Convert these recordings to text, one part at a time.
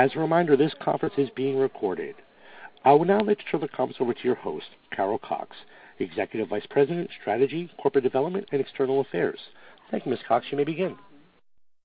As a reminder, this conference is being recorded. I will now let you turn the conference over to your host, Carol Cox, Executive Vice President, Strategy, Corporate Development, and External Affairs. Thank you, Ms. Cox. You may begin.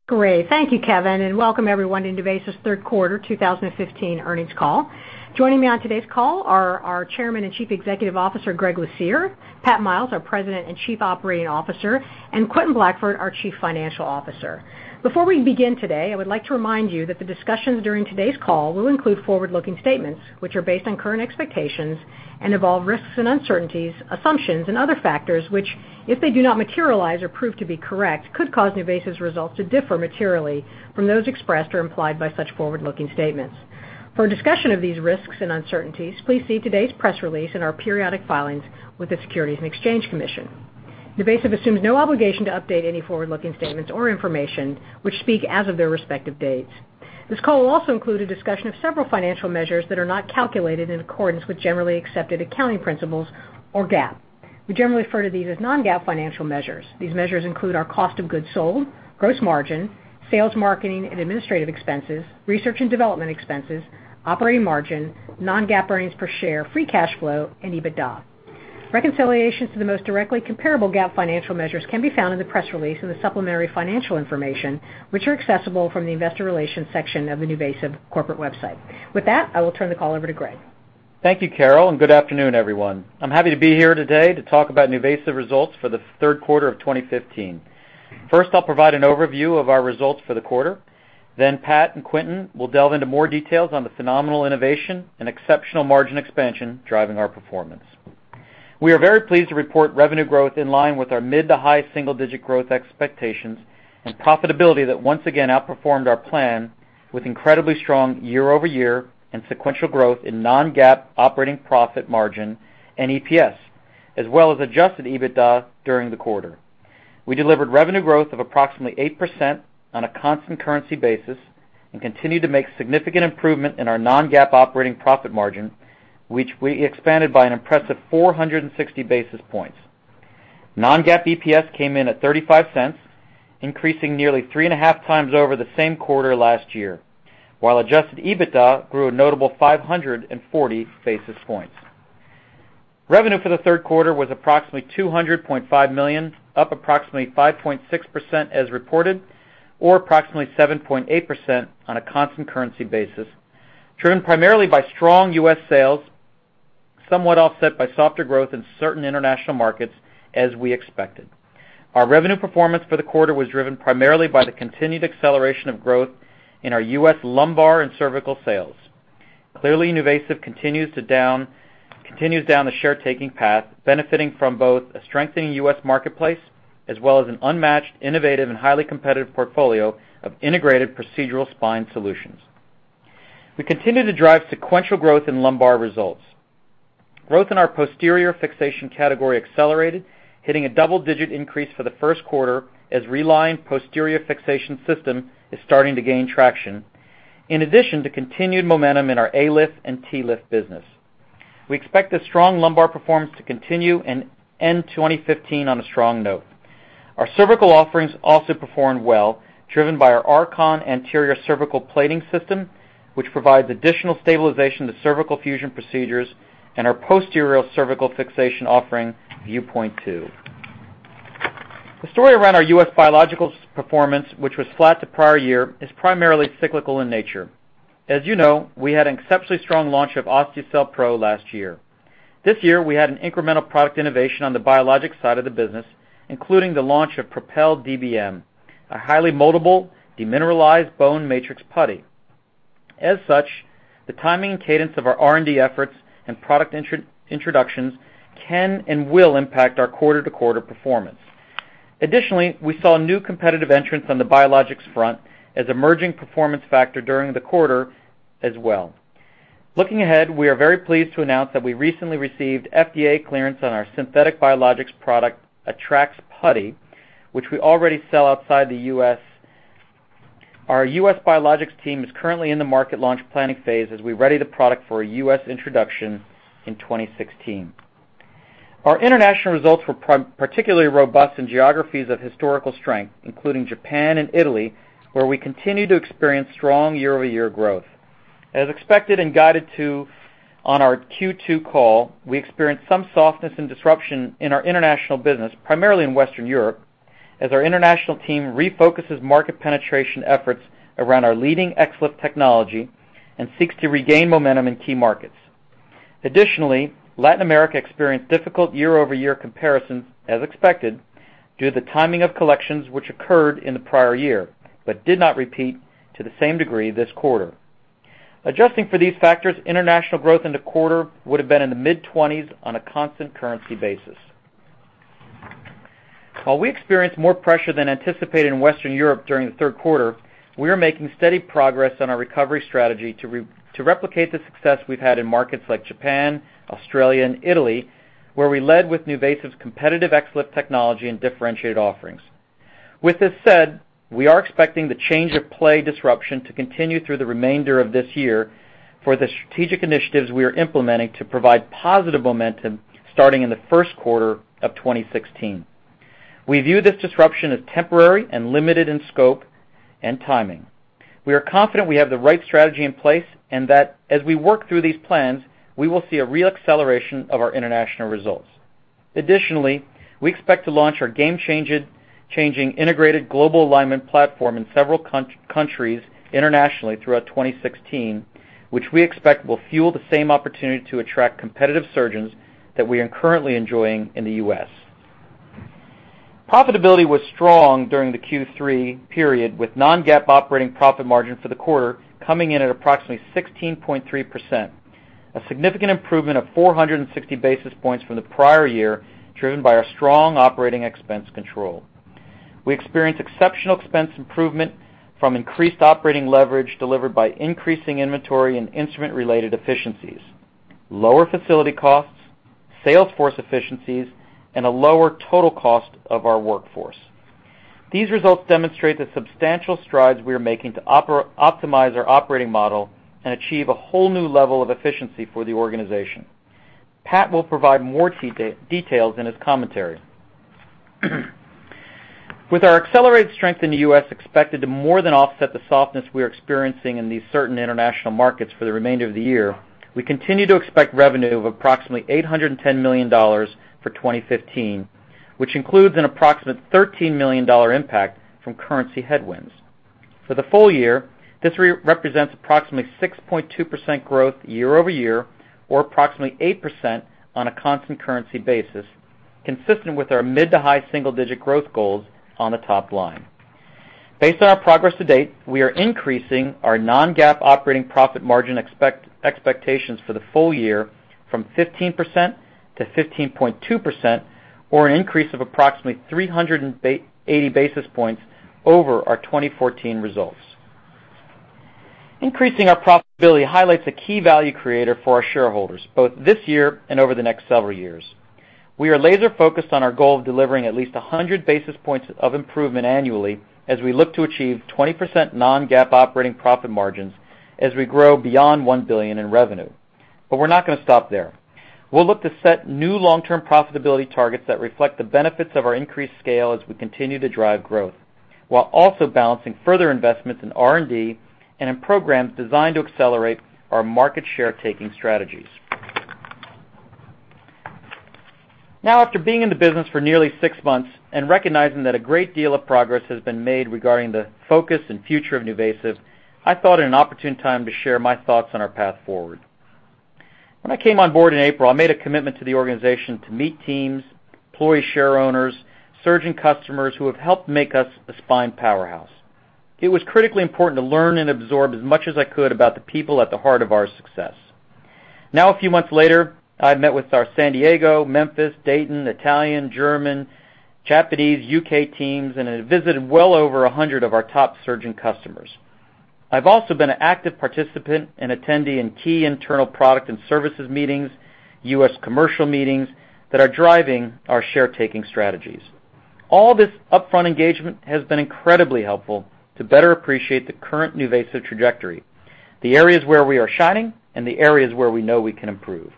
Great. Thank you, Kevin, and welcome everyone into NuVasive's third quarter 2015 earnings call. Joining me on today's call are our Chairman and Chief Executive Officer, Greg Lucier, Pat Miles, our President and Chief Operating Officer, and Quentin Blackford, our Chief Financial Officer. Before we begin today, I would like to remind you that the discussions during today's call will include forward-looking statements which are based on current expectations and involve risks and uncertainties, assumptions, and other factors which, if they do not materialize or prove to be correct, could cause NuVasive's results to differ materially from those expressed or implied by such forward-looking statements. For discussion of these risks and uncertainties, please see today's press release and our periodic filings with the Securities and Exchange Commission. NuVasive assumes no obliGAtion to update any forward-looking statements or information which speak as of their respective dates. This call will also include a discussion of several financial measures that are not calculated in accordance with generally accepted accounting principles or GAAP. We generally refer to these as non-GAAP financial measures. These measures include our cost of goods sold, gross margin, sales marketing and administrative expenses, research and development expenses, operating margin, non-GAAP earnings per share, free cash flow, and EBITDA. Reconciliations to the most directly comparable GAAP financial measures can be found in the press release and the supplementary financial information which are accessible from the investor relations section of the NuVasive corporate website. With that, I will turn the call over to Greg. Thank you, Carol, and good afternoon, everyone. I'm happy to be here today to talk about NuVasive results for the third quarter of 2015. First, I'll provide an overview of our results for the quarter. Then Pat and Quentin will delve into more details on the phenomenal innovation and exceptional margin expansion driving our performance. We are very pleased to report revenue growth in line with our mid to high single-digit growth expectations and profitability that once again outperformed our plan with incredibly strong year-over-year and sequential growth in non-GAAP operating profit margin and EPS, as well as adjusted EBITDA during the quarter. We delivered revenue growth of approximately 8% on a constant currency basis and continued to make significant improvement in our non-GAAP operating profit margin, which we expanded by an impressive 460 basis points. Non-GAAP EPS came in at $0.35, increasing nearly 3.5x over the same quarter last year, while adjusted EBITDA grew a notable 540 basis points. Revenue for the third quarter was approximately $200.5 million, up approximately 5.6% as reported, or approximately 7.8% on a constant currency basis, driven primarily by strong U.S. sales, somewhat offset by softer growth in certain international markets, as we expected. Our revenue performance for the quarter was driven primarily by the continued acceleration of growth in our U.S. lumbar and cervical sales. Clearly, NuVasive continues to down the share-taking path, benefiting from both a strengthening U.S. marketplace as well as an unmatched, innovative, and highly competitive portfolio of integrated procedural spine solutions. We continue to drive sequential growth in lumbar results. Growth in our posterior fixation category accelerated, hitting a double-digit increase for the first quarter as ReLine posterior fixation system is starting to gain traction, in addition to continued momentum in our ALIF and TLIF business. We expect this strong lumbar performance to continue in 2015 on a strong note. Our cervical offerings also performed well, driven by our Archon anterior cervical plating system, which provides additional stabilization to cervical fusion procedures, and our posterior cervical fixation offering VuePoint II. The story around our U.S. biological performance, which was flat the prior year, is primarily cyclical in nature. As you know, we had an exceptionally strong launch of Osteocel Pro last year. This year, we had an incremental product innovation on the biologic side of the business, including the launch of Propel DBM, a highly moldable, demineralized bone matrix putty. As such, the timing and cadence of our R&D efforts and product introductions can and will impact our quarter-to-quarter performance. Additionally, we saw new competitive entrants on the biologics front as emerging performance factors during the quarter as well. Looking ahead, we are very pleased to announce that we recently received FDA clearance on our synthetic biologics product, AttraX Putty, which we already sell outside the U.S. Our U.S. Biologics team is currently in the market launch planning phase as we ready the product for a U.S. introduction in 2016. Our international results were particularly robust in geographies of historical strength, including Japan and Italy, where we continue to experience strong year-over-year growth. As expected and guided to on our Q2 call, we experienced some softness and disruption in our international business, primarily in Western Europe, as our international team refocuses market penetration efforts around our leading XLIF technology and seeks to regain momentum in key markets. Additionally, Latin America experienced difficult year-over-year comparisons, as expected, due to the timing of collections which occurred in the prior year but did not repeat to the same degree this quarter. Adjusting for these factors, international growth in the quarter would have been in the mid-20s on a constant currency basis. While we experienced more pressure than anticipated in Western Europe during the third quarter, we are making steady progress on our recovery strategy to replicate the success we've had in markets like Japan, Australia, and Italy, where we led with NuVasive's competitive XLIF technology and differentiated offerings. With this said, we are expecting the change of play disruption to continue through the remainder of this year for the strategic initiatives we are implementing to provide positive momentum starting in the first quarter of 2016. We view this disruption as temporary and limited in scope and timing. We are confident we have the right strategy in place and that as we work through these plans, we will see a real acceleration of our international results. Additionally, we expect to launch our game-changing integrated global alignment platform in several countries internationally throughout 2016, which we expect will fuel the same opportunity to attract competitive surgeons that we are currently enjoying in the U.S. Profitability was strong during the Q3 period, with non-GAAP operating profit margin for the quarter coming in at approximately 16.3%, a significant improvement of 460 basis points from the prior year driven by our strong operating expense control. We experienced exceptional expense improvement from increased operating leverage delivered by increasing inventory and instrument-related efficiencies, lower facility costs, sales force efficiencies, and a lower total cost of our workforce. These results demonstrate the substantial strides we are making to optimize our operating model and achieve a whole new level of efficiency for the organization. Pat will provide more details in his commentary. With our accelerated strength in the U.S. expected to more than offset the softness we are experiencing in these certain international markets for the remainder of the year, we continue to expect revenue of approximately $810 million for 2015, which includes an approximate $13 million impact from currency headwinds. For the full year, this represents approximately 6.2% growth year-over-year or approximately 8% on a constant currency basis, consistent with our mid to high single-digit growth goals on the top line. Based on our progress to date, we are increasing our non-GAAP operating profit margin expectations for the full year from 15%-15.2% or an increase of approximately 380 basis points over our 2014 results. Increasing our profitability highlights a key value creator for our shareholders, both this year and over the next several years. We are laser-focused on our goal of delivering at least 100 basis points of improvement annually as we look to achieve 20% non-GAAP operating profit margins as we grow beyond $1 billion in revenue. We are not going to stop there. We'll look to set new long-term profitability targets that reflect the benefits of our increased scale as we continue to drive growth, while also balancing further investments in R&D and in programs designed to accelerate our market share-taking strategies. Now, after being in the business for nearly six months and recognizing that a great deal of progress has been made regarding the focus and future of NuVasive, I thought it an opportune time to share my thoughts on our path forward. When I came on board in April, I made a commitment to the organization to meet teams, employee share owners, surgeon customers who have helped make us a spine powerhouse. It was critically important to learn and absorb as much as I could about the people at the heart of our success. Now, a few months later, I've met with our San Diego, Memphis, Dayton, Italian, German, Japanese, U.K. teams, and I've visited well over 100 of our top surgeon customers. I've also been an active participant and attendee in key internal product and services meetings, U.S. commercial meetings that are driving our share-taking strategies. All this upfront engagement has been incredibly helpful to better appreciate the current NuVasive trajectory, the areas where we are shining, and the areas where we know we can improve.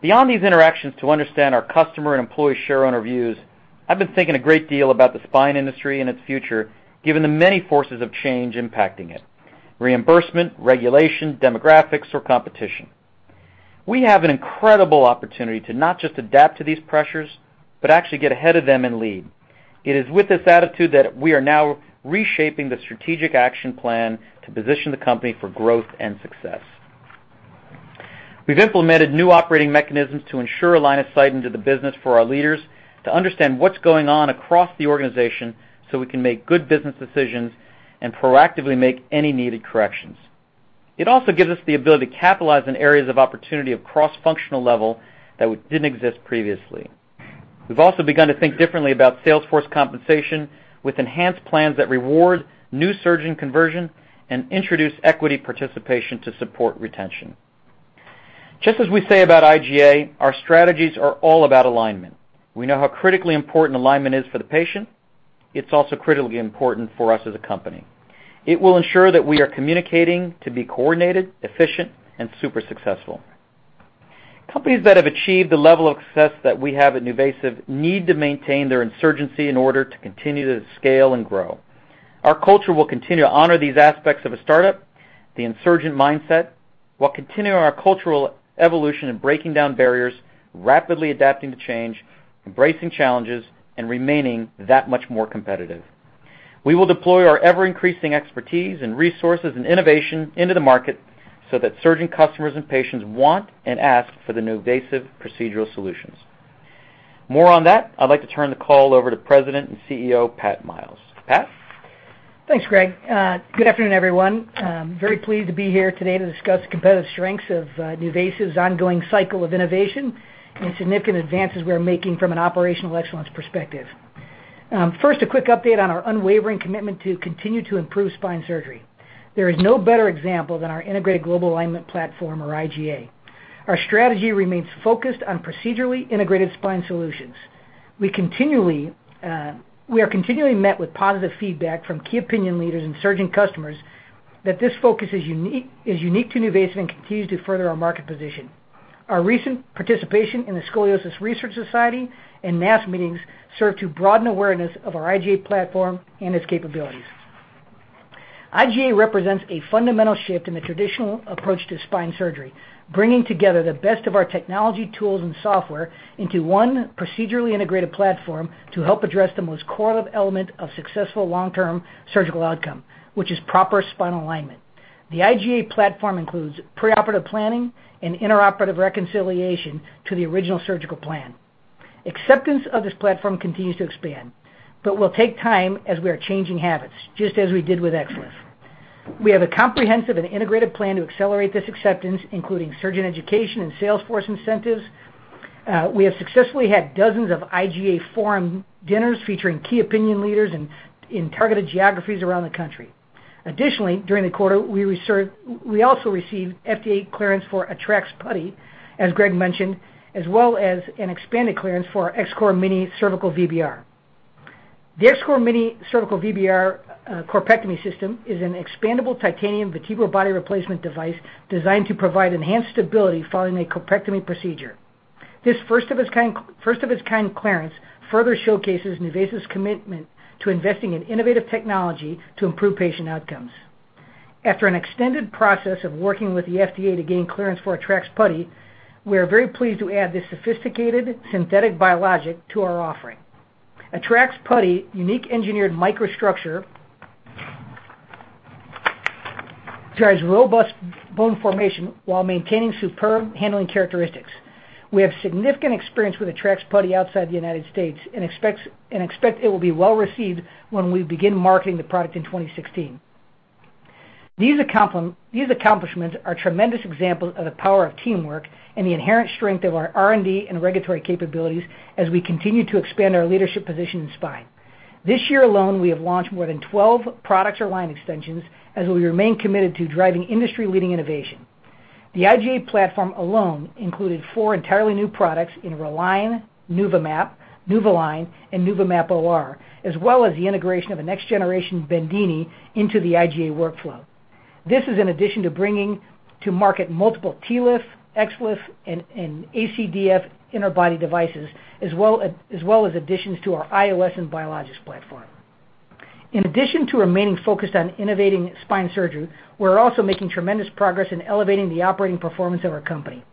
Beyond these interactions to understand our customer and employee share owner views, I've been thinking a great deal about the spine industry and its future, given the many forces of change impacting it: reimbursement, regulation, demographics, or competition. We have an incredible opportunity to not just adapt to these pressures but actually get ahead of them and lead. It is with this attitude that we are now reshaping the strategic action plan to position the company for growth and success. We've implemented new operating mechanisms to ensure aligned sight into the business for our leaders to understand what's going on across the organization so we can make good business decisions and proactively make any needed corrections. It also gives us the ability to capitalize on areas of opportunity at a cross-functional level that didn't exist previously. We've also begun to think differently about sales force compensation with enhanced plans that reward new surgeon conversion and introduce equity participation to support retention. Just as we say about iGA, our strategies are all about alignment. We know how critically important alignment is for the patient. It's also critically important for us as a company. It will ensure that we are communicating to be coordinated, efficient, and super successful. Companies that have achieved the level of success that we have at NuVasive need to maintain their insurgency in order to continue to scale and grow. Our culture will continue to honor these aspects of a startup, the insurgent mindset, while continuing our cultural evolution and breaking down barriers, rapidly adapting to change, embracing challenges, and remaining that much more competitive. We will deploy our ever-increasing expertise and resources and innovation into the market so that surgeon customers and patients want and ask for the NuVasive procedural solutions. More on that, I'd like to turn the call over to President and COO Pat Miles. Pat. Thanks, Greg. Good afternoon, everyone. Very pleased to be here today to discuss the competitive strengths of NuVasive's ongoing cycle of innovation and significant advances we are making from an operational excellence perspective. First, a quick update on our unwavering commitment to continue to improve spine surgery. There is no better example than our integrated global alignment platform, or iGA. Our strategy remains focused on procedurally integrated spine solutions. We are continually met with positive feedback from key opinion leaders and surgeon customers that this focus is unique to NuVasive and continues to further our market position. Our recent participation in the Scoliosis Research Society and NASS meetings serve to broaden awareness of our iGA platform and its capabilities. iGA represents a fundamental shift in the traditional approach to spine surgery, bringing together the best of our technology, tools, and software into one procedurally integrated platform to help address the most core element of successful long-term surgical outcome, which is proper spinal alignment. The iGA platform includes preoperative planning and intraoperative reconciliation to the original surgical plan. Acceptance of this platform continues to expand, but will take time as we are changing habits, just as we did with XLIF. We have a comprehensive and integrated plan to accelerate this acceptance, including surgeon education and sales force incentives. We have successfully had dozens of iGA forum dinners featuring key opinion leaders in targeted geographies around the country. Additionally, during the quarter, we also received FDA clearance for AttraX Putty, as Greg mentioned, as well as an expanded clearance for X-Core Mini Cervical VBR. The X-Core Mini Cervical VBR corpectomy system is an expandable titanium vertebral body replacement device designed to provide enhanced stability following a corpectomy procedure. This first-of-its-kind clearance further showcases NuVasive's commitment to investing in innovative technology to improve patient outcomes. After an extended process of working with the FDA to gain clearance for AttraX Putty, we are very pleased to add this sophisticated synthetic biologic to our offering. AttraX Putty, unique engineered microstructure, drives robust bone formation while maintaining superb handling characteristics. We have significant experience with AttraX Putty outside the United States and expect it will be well received when we begin marketing the product in 2016. These accomplishments are tremendous examples of the power of teamwork and the inherent strength of our R&D and regulatory capabilities as we continue to expand our leadership position in spine. This year alone, we have launched more than 12 product or line extensions as we remain committed to driving industry-leading innovation. The iGA platform alone included four entirely new products in ReLine, NuvaMap, NuvaLine, and NuvaMap O.R., as well as the integration of a next-generation Bendini into the iGA workflow. This is in addition to bringing to market multiple TLIF, XLIF, and ACDF interbody devices, as well as additions to our iOS and Biologics platform. In addition to remaining focused on innovating spine surgery, we're also making tremendous progress in elevating the operating performance of our company.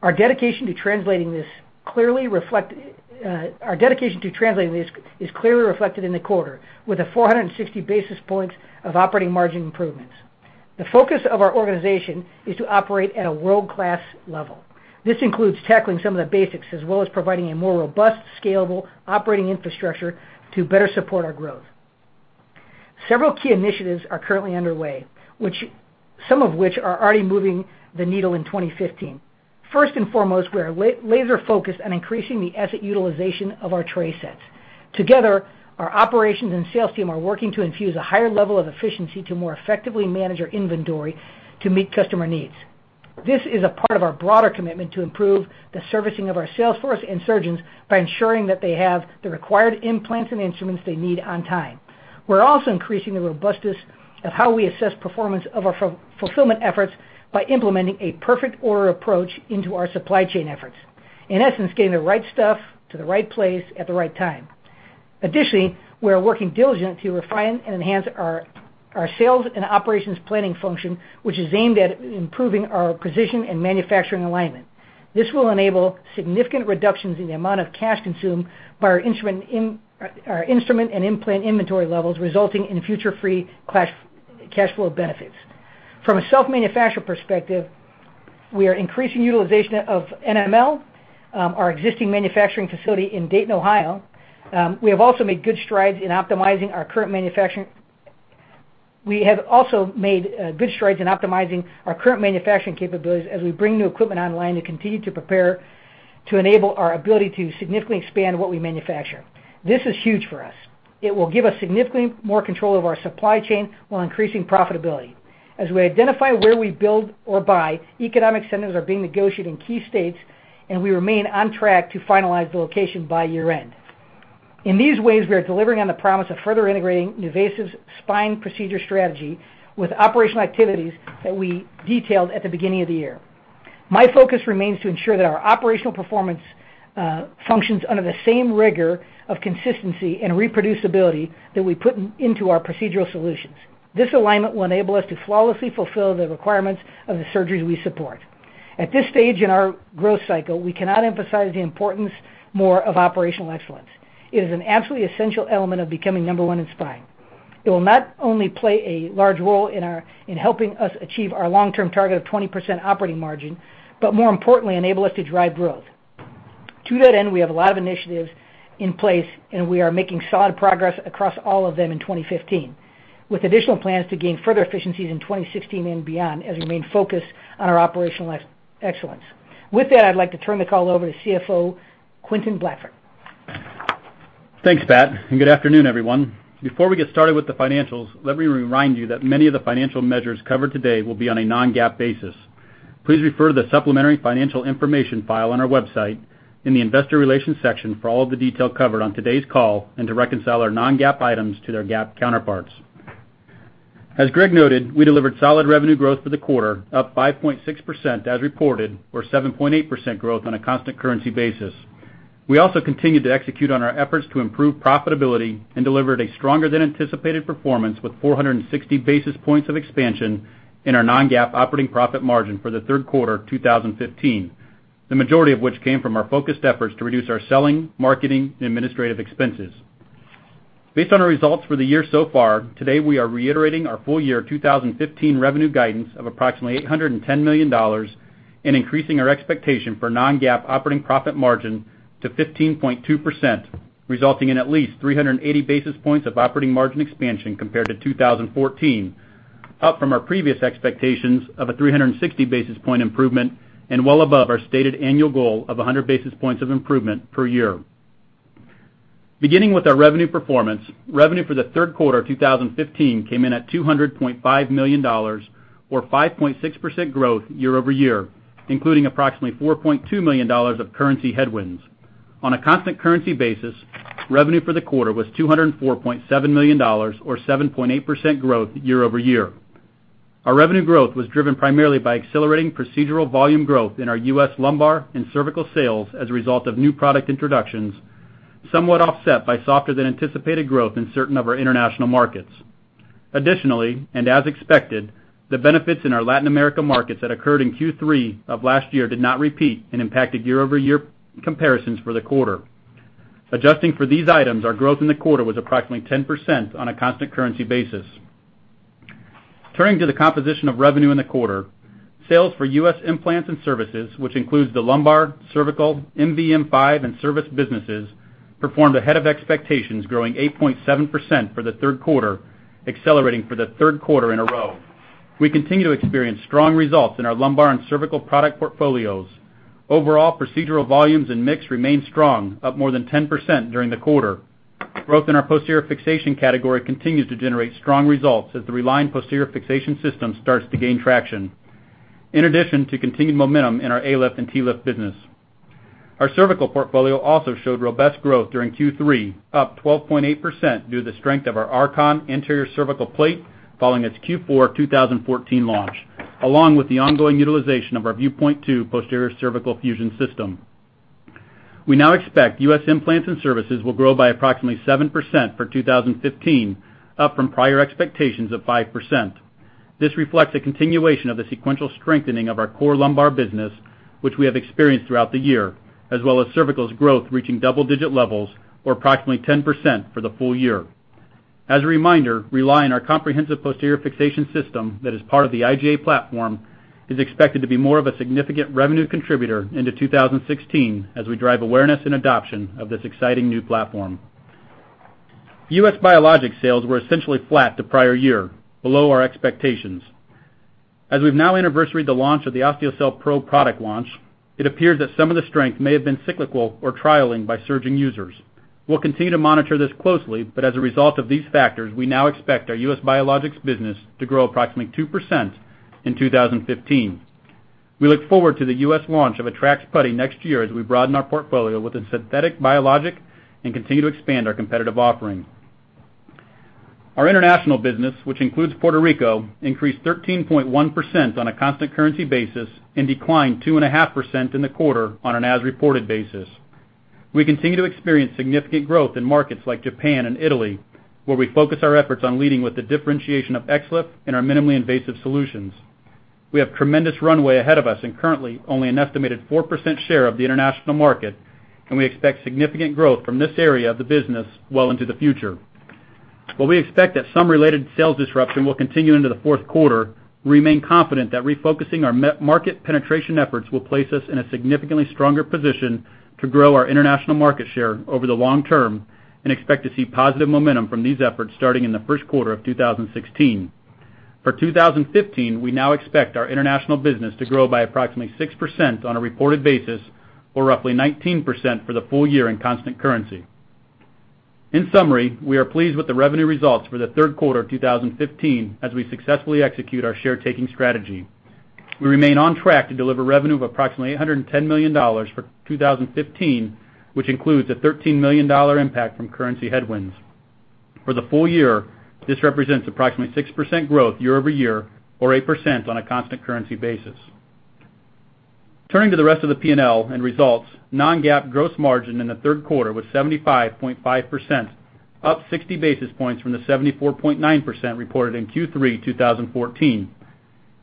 Our dedication to translating this clearly is clearly reflected in the quarter, with a 460 basis points of operating margin improvements. The focus of our organization is to operate at a world-class level. This includes tackling some of the basics as well as providing a more robust, scalable operating infrastructure to better support our growth. Several key initiatives are currently underway, some of which are already moving the needle in 2015. First and foremost, we are laser-focused on increasing the asset utilization of our tray sets. Together, our operations and sales team are working to infuse a higher level of efficiency to more effectively manage our inventory to meet customer needs. This is a part of our broader commitment to improve the servicing of our sales force and surgeons by ensuring that they have the required implants and instruments they need on time. We're also increasing the robustness of how we assess performance of our fulfillment efforts by implementing a perfect order approach into our supply chain efforts. In essence, getting the right stuff to the right place at the right time. Additionally, we are working diligently to refine and enhance our sales and operations planning function, which is aimed at improving our position and manufacturing alignment. This will enable significant reductions in the amount of cash consumed by our instrument and implant inventory levels, resulting in future free cash flow benefits. From a self-manufacturer perspective, we are increasing utilization of NML, our existing manufacturing facility in Dayton, Ohio. We have also made good strides in optimizing our current manufacturing capabilities as we bring new equipment online to continue to prepare to enable our ability to significantly expand what we manufacture. This is huge for us. It will give us significantly more control of our supply chain while increasing profitability. As we identify where we build or buy, economic incentives are being negotiated in key states, and we remain on track to finalize the location by year-end. In these ways, we are delivering on the promise of further integrating NuVasive's spine procedure strategy with operational activities that we detailed at the beginning of the year. My focus remains to ensure that our operational performance functions under the same rigor of consistency and reproducibility that we put into our procedural solutions. This alignment will enable us to flawlessly fulfill the requirements of the surgeries we support. At this stage in our growth cycle, we cannot emphasize the importance more of operational excellence. It is an absolutely essential element of becoming number one in spine. It will not only play a large role in helping us achieve our long-term target of 20% operating margin, but more importantly, enable us to drive growth. To that end, we have a lot of initiatives in place, and we are making solid progress across all of them in 2015, with additional plans to gain further efficiencies in 2016 and beyond as we remain focused on our operational excellence. With that, I'd like to turn the call over to CFO Quentin Blackford. Thanks, Pat. Good afternoon, everyone. Before we get started with the financials, let me remind you that many of the financial measures covered today will be on a non-GAAP basis. Please refer to the supplementary financial information file on our website in the investor relations section for all of the detail covered on today's call and to reconcile our non-GAAP items to their GAAP counterparts. As Greg noted, we delivered solid revenue growth for the quarter, up 5.6% as reported, or 7.8% growth on a constant currency basis. We also continued to execute on our efforts to improve profitability and delivered a stronger-than-anticipated performance with 460 basis points of expansion in our non-GAAP operating profit margin for the third quarter of 2015, the majority of which came from our focused efforts to reduce our selling, marketing, and administrative expenses. Based on our results for the year so far, today we are reiterating our full year 2015 revenue guidance of approximately $810 million and increasing our expectation for non-GAAP operating profit margin to 15.2%, resulting in at least 380 basis points of operating margin expansion compared to 2014, up from our previous expectations of a 360 basis point improvement and well above our stated annual goal of 100 basis points of improvement per year. Beginning with our revenue performance, revenue for the third quarter of 2015 came in at $200.5 million, or 5.6% growth year-over-year, including approximately $4.2 million of currency headwinds. On a constant currency basis, revenue for the quarter was $204.7 million, or 7.8% growth year-over-year. Our revenue growth was driven primarily by accelerating procedural volume growth in our US lumbar and cervical sales as a result of new product introductions, somewhat offset by softer-than-anticipated growth in certain of our international markets. Additionally, and as expected, the benefits in our Latin America markets that occurred in Q3 of last year did not repeat and impacted year-over-year comparisons for the quarter. Adjusting for these items, our growth in the quarter was approximately 10% on a constant currency basis. Turning to the composition of revenue in the quarter, sales for U.S. Implants and Services, which includes the lumbar, cervical, NVM5, and service businesses, performed ahead of expectations, growing 8.7% for the third quarter, accelerating for the third quarter in a row. We continue to experience strong results in our lumbar and cervical product portfolios. Overall, procedural volumes and mix remain strong, up more than 10% during the quarter. Growth in our posterior fixation category continues to generate strong results as the ReLine posterior fixation system starts to gain traction, in addition to continued momentum in our ALIF and TLIF business. Our cervical portfolio also showed robust growth during Q3, up 12.8% due to the strength of our Archon anterior cervical plate following its Q4 2014 launch, along with the ongoing utilization of our VuePoint II posterior cervical fusion system. We now expect U.S. Implants and Services will grow by approximately 7% for 2015, up from prior expectations of 5%. This reflects a continuation of the sequential strengthening of our core lumbar business, which we have experienced throughout the year, as well as cervicals' growth reaching double-digit levels, or approximately 10% for the full year. As a reminder, ReLine, our comprehensive posterior fixation system that is part of the iGA platform, is expected to be more of a significant revenue contributor into 2016 as we drive awareness and adoption of this exciting new platform. U.S. Biologic sales were essentially flat to prior year, below our expectations. As we've now anniversaried the launch of the Osteocel Pro product launch, it appears that some of the strength may have been cyclical or trialing by surging users. We'll continue to monitor this closely, but as a result of these factors, we now expect our U.S. Biologics business to grow approximately 2% in 2015. We look forward to the U.S. launch of AttraX Putty next year as we broaden our portfolio with a synthetic biologic and continue to expand our competitive offering. Our international business, which includes Puerto Rico, increased 13.1% on a constant currency basis and declined 2.5% in the quarter on an as-reported basis. We continue to experience significant growth in markets like Japan and Italy, where we focus our efforts on leading with the differentiation of XLIF in our minimally invasive solutions. We have tremendous runway ahead of us and currently only an estimated 4% share of the international market, and we expect significant growth from this area of the business well into the future. While we expect that some related sales disruption will continue into the fourth quarter, we remain confident that refocusing our market penetration efforts will place us in a significantly stronger position to grow our international market share over the long term and expect to see positive momentum from these efforts starting in the first quarter of 2016. For 2015, we now expect our international business to grow by approximately 6% on a reported basis, or roughly 19% for the full year in constant currency. In summary, we are pleased with the revenue results for the third quarter of 2015 as we successfully execute our share-taking strategy. We remain on track to deliver revenue of approximately $810 million for 2015, which includes a $13 million impact from currency headwinds. For the full year, this represents approximately 6% growth year-over-year, or 8% on a constant currency basis. Turning to the rest of the P&L and results, non-GAAP gross margin in the third quarter was 75.5%, up 60 basis points from the 74.9% reported in Q3 2014.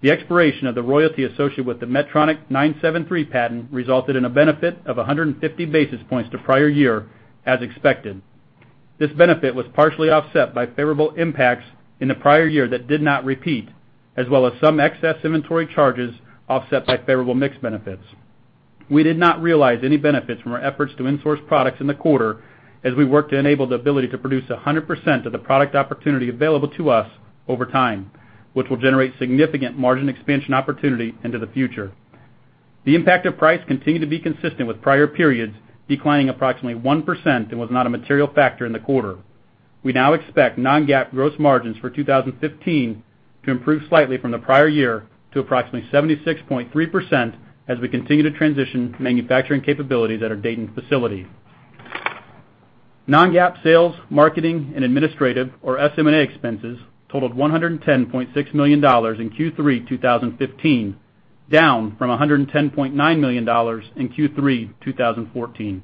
The expiration of the royalty associated with the Medtronic 973 patent resulted in a benefit of 150 basis points to prior year, as expected. This benefit was partially offset by favorable impacts in the prior year that did not repeat, as well as some excess inventory charges offset by favorable mix benefits. We did not realize any benefits from our efforts to insource products in the quarter as we worked to enable the ability to produce 100% of the product opportunity available to us over time, which will generate significant margin expansion opportunity into the future. The impact of price continued to be consistent with prior periods, declining approximately 1% and was not a material factor in the quarter. We now expect non-GAAP gross margins for 2015 to improve slightly from the prior year to approximately 76.3% as we continue to transition manufacturing capabilities at our Dayton facility. Non-GAAP sales, marketing, and administrative, or SM&A, expenses totaled $110.6 million in Q3 2015, down from $110.9 million in Q3 2014.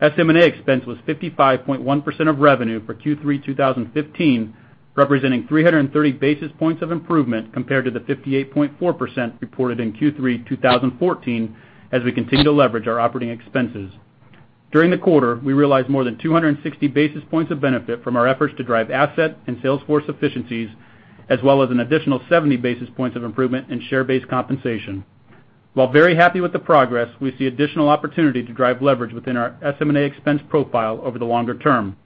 SM&A expense was 55.1% of revenue for Q3 2015, representing 330 basis points of improvement compared to the 58.4% reported in Q3 2014 as we continue to leverage our operating expenses. During the quarter, we realized more than 260 basis points of benefit from our efforts to drive asset and sales force efficiencies, as well as an additional 70 basis points of improvement in share-based compensation. While very happy with the progress, we see additional opportunity to drive leverage within our SM&A expense profile over the longer term.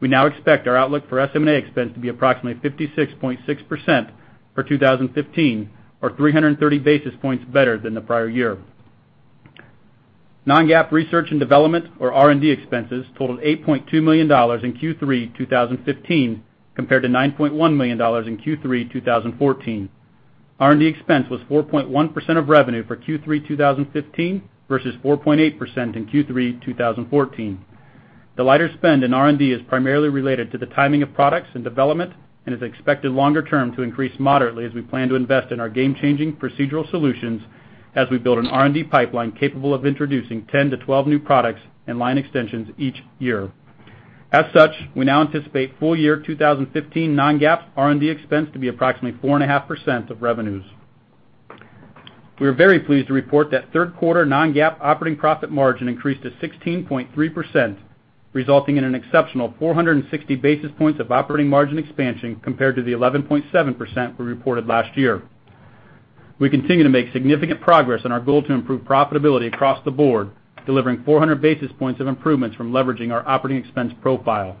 We now expect our outlook for SM&A expense to be approximately 56.6% for 2015, or 330 basis points better than the prior year. Non-GAAP research and development, or R&D expenses, totaled $8.2 million in Q3 2015 compared to $9.1 million in Q3 2014. R&D expense was 4.1% of revenue for Q3 2015 versus 4.8% in Q3 2014. The lighter spend in R&D is primarily related to the timing of products and development and is expected longer term to increase moderately as we plan to invest in our game-changing procedural solutions as we build an R&D pipeline capable of introducing 10-12 new products and line extensions each year. As such, we now anticipate full year 2015 non-GAAP R&D expense to be approximately 4.5% of revenues. We are very pleased to report that third quarter non-GAAP operating profit margin increased to 16.3%, resulting in an exceptional 460 basis points of operating margin expansion compared to the 11.7% we reported last year. We continue to make significant progress on our goal to improve profitability across the board, delivering 400 basis points of improvements from leveraging our operating expense profile.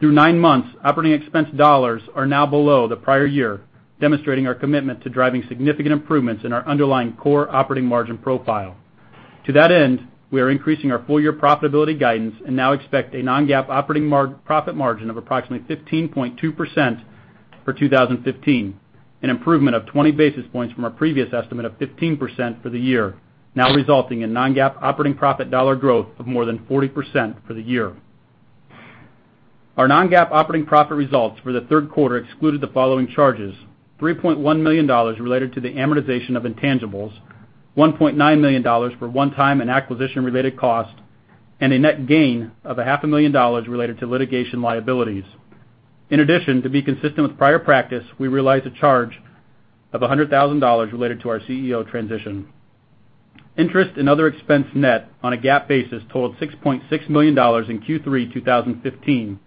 Through nine months, operating expense dollars are now below the prior year, demonstrating our commitment to driving significant improvements in our underlying core operating margin profile. To that end, we are increasing our full year profitability guidance and now expect a non-GAAP operating profit margin of approximately 15.2% for 2015, an improvement of 20 basis points from our previous estimate of 15% for the year, now resulting in non-GAAP operating profit dollar growth of more than 40% for the year. Our non-GAAP operating profit results for the third quarter excluded the following charges: $3.1 million related to the amortization of intangibles, $1.9 million for one-time and acquisition-related costs, and a net gain of $500,000 related to litigation liabilities. In addition, to be consistent with prior practice, we realized a charge of $100,000 related to our CEO transition. Interest and other expense net on a GAAP basis totaled $6.6 million in Q3 2015,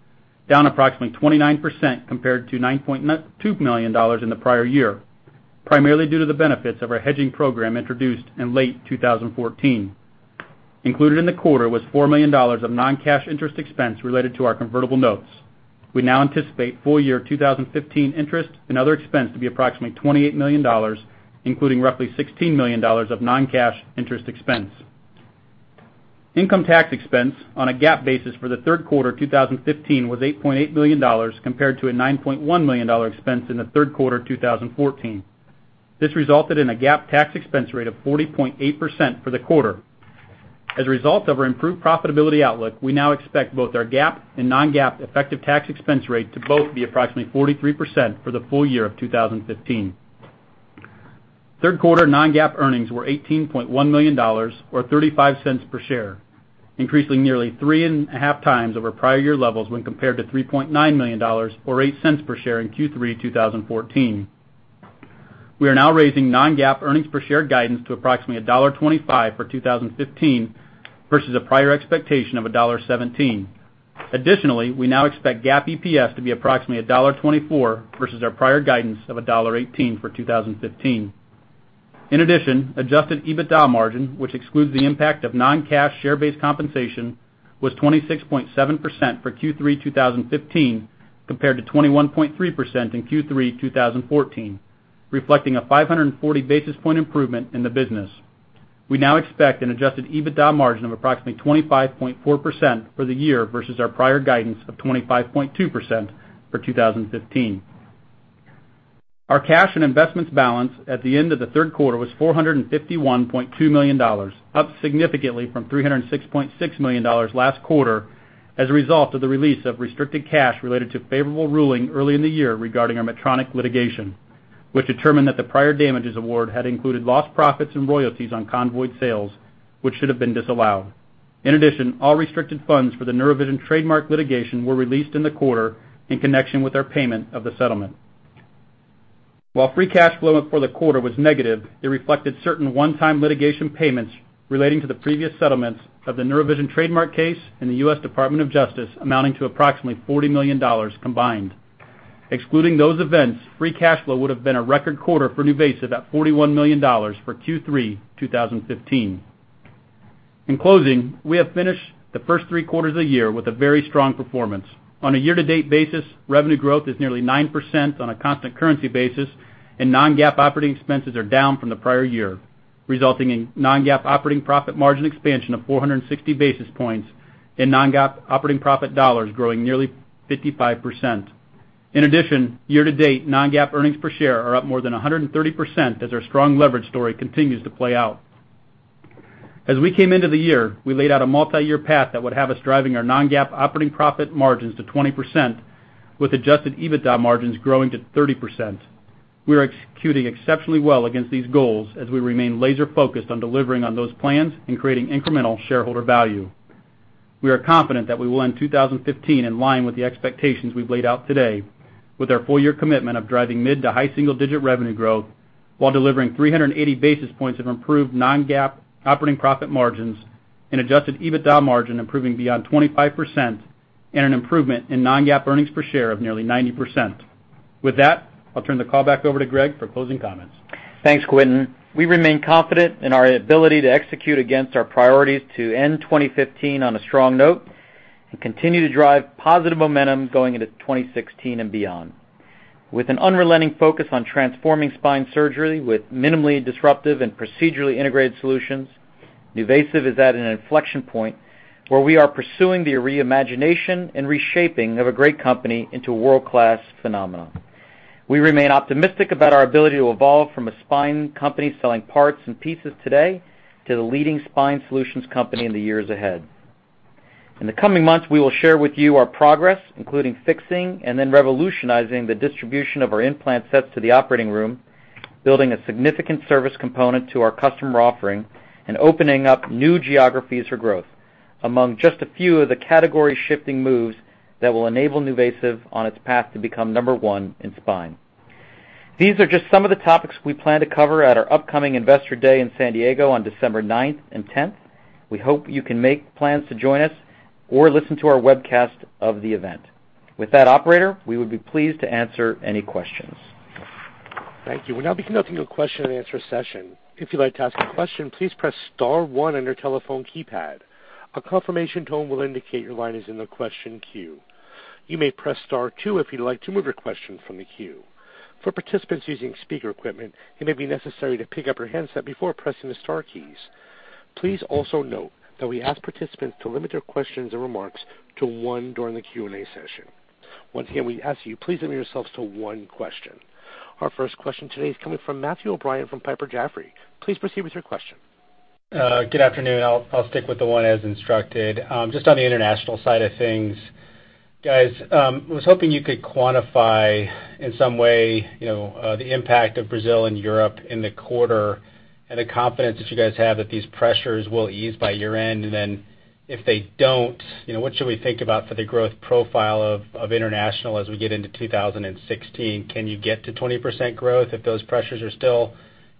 down approximately 29% compared to $9.2 million in the prior year, primarily due to the benefits of our hedging program introduced in late 2014. Included in the quarter was $4 million of non-cash interest expense related to our convertible notes. We now anticipate full year 2015 interest and other expense to be approximately $28 million, including roughly $16 million of non-cash interest expense. Income tax expense on a GAAP basis for the third quarter 2015 was $8.8 million compared to a $9.1 million expense in the third quarter 2014. This resulted in a GAAP tax expense rate of 40.8% for the quarter. As a result of our improved profitability outlook, we now expect both our GAAP and non-GAAP effective tax expense rate to both be approximately 43% for the full year of 2015. Third quarter non-GAAP earnings were $18.1 million, or $0.35 per share, increasing nearly 3.5x over prior year levels when compared to $3.9 million, or $0.08 per share in Q3 2014. We are now raising non-GAAP earnings per share guidance to approximately $1.25 for 2015 versus a prior expectation of $1.17. Additionally, we now expect GAAP EPS to be approximately $1.24 versus our prior guidance of $1.18 for 2015. In addition, adjusted EBITDA margin, which excludes the impact of non-cash share-based compensation, was 26.7% for Q3 2015 compared to 21.3% in Q3 2014, reflecting a 540 basis point improvement in the business. We now expect an adjusted EBITDA margin of approximately 25.4% for the year versus our prior guidance of 25.2% for 2015. Our cash and investments balance at the end of the third quarter was $451.2 million, up significantly from $306.6 million last quarter as a result of the release of restricted cash related to a favorable ruling early in the year regarding our Medtronic litigation, which determined that the prior damages award had included lost profits and royalties on Convoy sales, which should have been disallowed. In addition, all restricted funds for the NeuroVision trademark litigation were released in the quarter in connection with our payment of the settlement. While free cash flow for the quarter was negative, it reflected certain one-time litigation payments relating to the previous settlements of the NeuroVision trademark case and the U.S. Department of Justice, amounting to approximately $40 million combined. Excluding those events, free cash flow would have been a record quarter for NuVasive at $41 million for Q3 2015. In closing, we have finished the first three quarters of the year with a very strong performance. On a year-to-date basis, revenue growth is nearly 9% on a constant currency basis, and non-GAAP operating expenses are down from the prior year, resulting in non-GAAP operating profit margin expansion of 460 basis points and non-GAAP operating profit dollars growing nearly 55%. In addition, year-to-date, non-GAAP earnings per share are up more than 130% as our strong leverage story continues to play out. As we came into the year, we laid out a multi-year path that would have us driving our non-GAAP operating profit margins to 20%, with adjusted EBITDA margins growing to 30%. We are executing exceptionally well against these goals as we remain laser-focused on delivering on those plans and creating incremental shareholder value. We are confident that we will end 2015 in line with the expectations we've laid out today, with our full year commitment of driving mid to high single-digit revenue growth while delivering 380 basis points of improved non-GAAP operating profit margins and adjusted EBITDA margin improving beyond 25% and an improvement in non-GAAP earnings per share of nearly 90%. With that, I'll turn the call back over to Greg for closing comments. Thanks, Quentin. We remain confident in our ability to execute against our priorities to end 2015 on a strong note and continue to drive positive momentum going into 2016 and beyond. With an unrelenting focus on transforming spine surgery with minimally disruptive and procedurally integrated solutions, NuVasive is at an inflection point where we are pursuing the reimagination and reshaping of a great company into a world-class phenomenon. We remain optimistic about our ability to evolve from a spine company selling parts and pieces today to the leading spine solutions company in the years ahead. In the coming months, we will share with you our progress, including fixing and then revolutionizing the distribution of our implant sets to the operating room, building a significant service component to our customer offering, and opening up new geographies for growth, among just a few of the category-shifting moves that will enable NuVasive on its path to become number one in spine. These are just some of the topics we plan to cover at our upcoming Investor Day in San Diego on December 9th and 10th. We hope you can make plans to join us or listen to our webcast of the event. With that, Operator, we would be pleased to answer any questions. Thank you. We'll now be conducting a question-and-answer session. If you'd like to ask a question, please press star one on your telephone keypad. A confirmation tone will indicate your line is in the question queue. You may press star two if you'd like to move your question from the queue. For participants using speaker equipment, it may be necessary to pick up your handset before pressing the star keys. Please also note that we ask participants to limit their questions and remarks to one during the Q&A session. Once again, we ask you, please limit yourselves to one question. Our first question today is coming from Matthew O'Brien from Piper Jaffray. Please proceed with your question. Good afternoon. I'll stick with the one as instructed. Just on the international side of things, guys, I was hoping you could quantify in some way the impact of Brazil and Europe in the quarter and the confidence that you guys have that these pressures will ease by year-end. If they do not, what should we think about for the growth profile of international as we get into 2016? Can you get to 20% growth if those pressures are still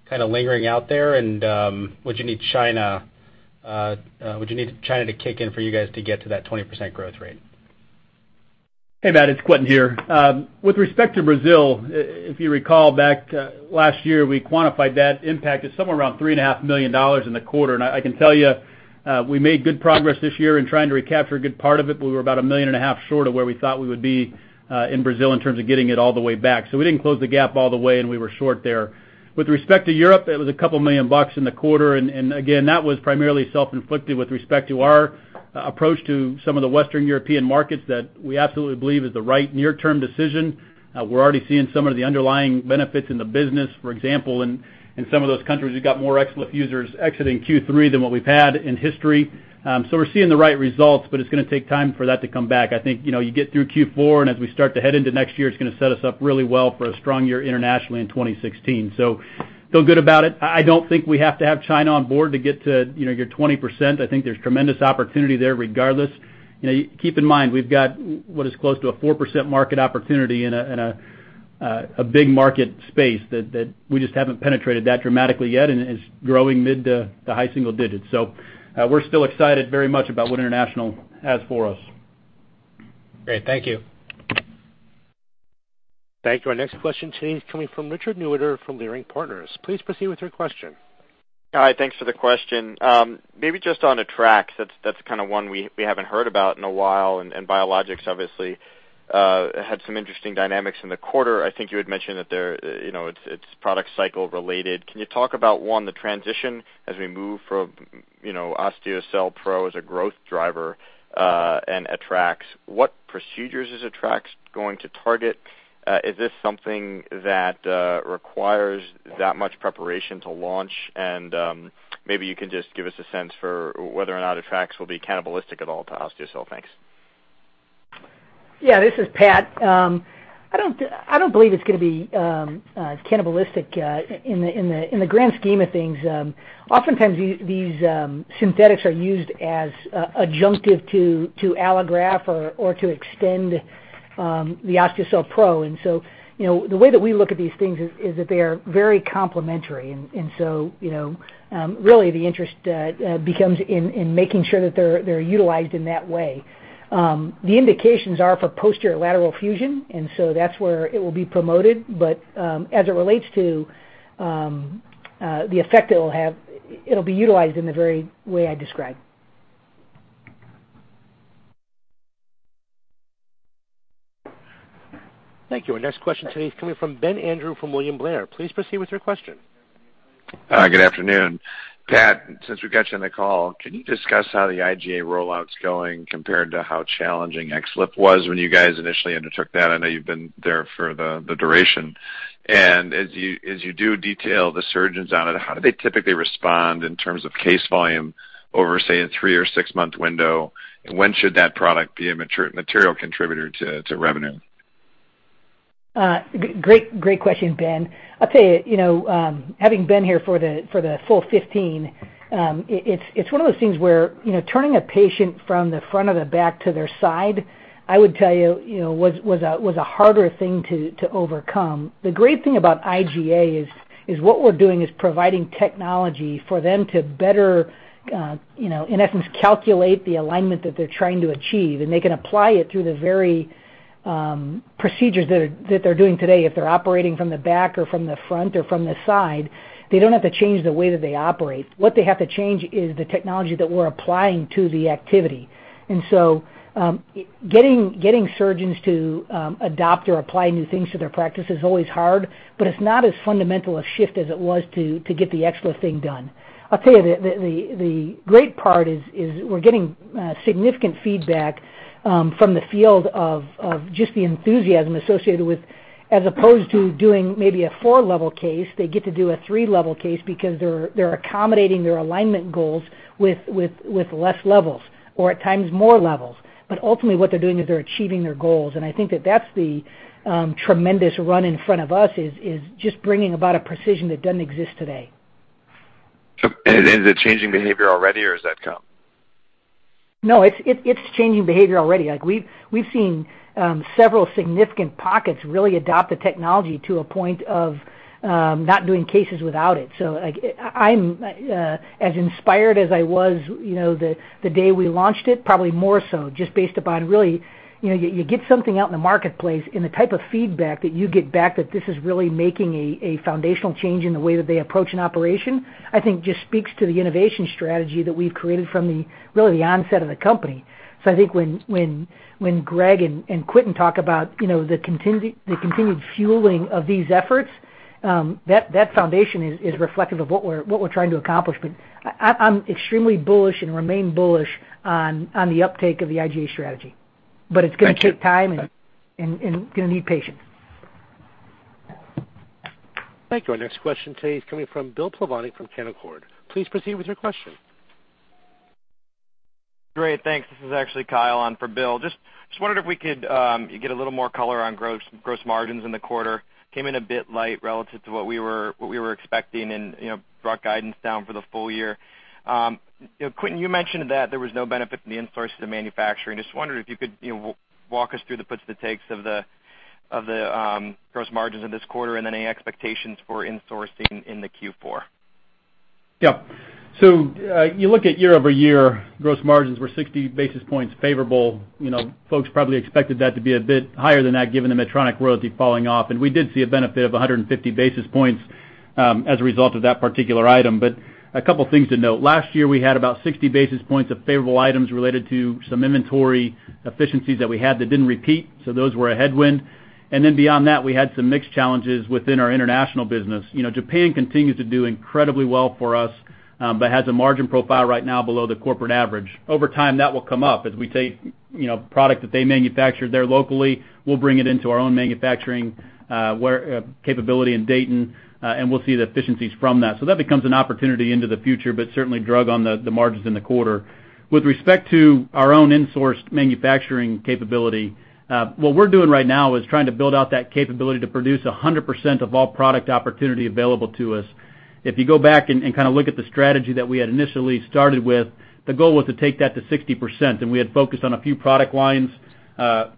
kind of lingering out there? Would you need China—would you need China to kick in for you guys to get to that 20% growth rate? Hey, Matt, it's Quentin here. With respect to Brazil, if you recall, back last year, we quantified that impact as somewhere around $3.5 million in the quarter. I can tell you we made good progress this year in trying to recapture a good part of it, but we were about $1.5 million short of where we thought we would be in Brazil in terms of getting it all the way back. We did not close the gap all the way, and we were short there. With respect to Europe, it was a couple million bucks in the quarter. That was primarily self-inflicted with respect to our approach to some of the Western European markets that we absolutely believe is the right near-term decision. We're already seeing some of the underlying benefits in the business, for example, in some of those countries we've got more excellent users exiting Q3 than what we've had in history. We're seeing the right results, but it's going to take time for that to come back. I think you get through Q4, and as we start to head into next year, it's going to set us up really well for a strong year internationally in 2016. I feel good about it. I don't think we have to have China on board to get to your 20%. I think there's tremendous opportunity there regardless. Keep in mind, we've got what is close to a 4% market opportunity in a big market space that we just haven't penetrated that dramatically yet and is growing mid to high single digits. We're still excited very much about what international has for us. Great. Thank you. Thank you. Our next question today is coming from Richard Newitter from Leerink Partners. Please proceed with your question. Hi. Thanks for the question. Maybe just on AttraX, that's kind of one we haven't heard about in a while, and Biologics obviously had some interesting dynamics in the quarter. I think you had mentioned that it's product cycle related. Can you talk about, one, the transition as we move from Osteocel Pro as a growth driver and AttraX? What procedures is AttraX going to target? Is this something that requires that much preparation to launch? Maybe you can just give us a sense for whether or not AttraX will be cannibalistic at all to Osteocel. Thanks. Yeah, this is Pat. I don't believe it's going to be cannibalistic in the grand scheme of things. Oftentimes, these synthetics are used as adjunctive to allograft or to extend the Osteocel Pro. The way that we look at these things is that they are very complementary. Really, the interest becomes in making sure that they're utilized in that way. The indications are for posterior lateral fusion, and that's where it will be promoted. As it relates to the effect it will have, it'll be utilized in the very way I described. Thank you. Our next question today is coming from Ben Andrew from William Blair. Please proceed with your question. Hi. Good afternoon. Pat, since we got you on the call, can you discuss how the iGA rollout's going compared to how challenging XLIF was when you guys initially undertook that? I know you've been there for the duration. As you do detail the surgeons on it, how do they typically respond in terms of case volume over, say, a three or six-month window? When should that product be a material contributor to revenue? Great question, Ben. I'll tell you, having been here for the full 15, it's one of those things where turning a patient from the front or the back to their side, I would tell you, was a harder thing to overcome. The great thing about iGA is what we're doing is providing technology for them to better, in essence, calculate the alignment that they're trying to achieve. They can apply it through the very procedures that they're doing today. If they're operating from the back or from the front or from the side, they don't have to change the way that they operate. What they have to change is the technology that we're applying to the activity. Getting surgeons to adopt or apply new things to their practice is always hard, but it's not as fundamental a shift as it was to get the XLIF thing done. I'll tell you, the great part is we're getting significant feedback from the field of just the enthusiasm associated with, as opposed to doing maybe a four-level case, they get to do a three-level case because they're accommodating their alignment goals with less levels or at times more levels. Ultimately, what they're doing is they're achieving their goals. I think that that's the tremendous run in front of us is just bringing about a precision that doesn't exist today. Is it changing behavior already, or has that come? No, it's changing behavior already. We've seen several significant pockets really adopt the technology to a point of not doing cases without it. I'm as inspired as I was the day we launched it, probably more so, just based upon really you get something out in the marketplace and the type of feedback that you get back that this is really making a foundational change in the way that they approach an operation. I think just speaks to the innovation strategy that we've created from really the onset of the company. I think when Greg and Quentin talk about the continued fueling of these efforts, that foundation is reflective of what we're trying to accomplish. I'm extremely bullish and remain bullish on the uptake of the iGA strategy. It's going to take time and going to need patience. Thank you. Our next question today is coming from Bill Pavani from Canaccord. Please proceed with your question. Great. Thanks. This is actually Kyle on for Bill. Just wondered if we could get a little more color on gross margins in the quarter. Came in a bit light relative to what we were expecting and brought guidance down for the full year. Quentin, you mentioned that there was no benefit in the insourcing of manufacturing. Just wondered if you could walk us through the puts to takes of the gross margins in this quarter and then any expectations for insourcing in the Q4. Yep. You look at year-over-year, gross margins were 60 basis points favorable. Folks probably expected that to be a bit higher than that given the Medtronic royalty falling off. We did see a benefit of 150 basis points as a result of that particular item. A couple of things to note. Last year, we had about 60 basis points of favorable items related to some inventory efficiencies that we had that did not repeat. Those were a headwind. Beyond that, we had some mixed challenges within our international business. Japan continues to do incredibly well for us but has a margin profile right now below the corporate average. Over time, that will come up as we take product that they manufacture there locally. We will bring it into our own manufacturing capability in Dayton, and we will see the efficiencies from that. That becomes an opportunity into the future, but certainly drug on the margins in the quarter. With respect to our own insourced manufacturing capability, what we're doing right now is trying to build out that capability to produce 100% of all product opportunity available to us. If you go back and kind of look at the strategy that we had initially started with, the goal was to take that to 60%. We had focused on a few product lines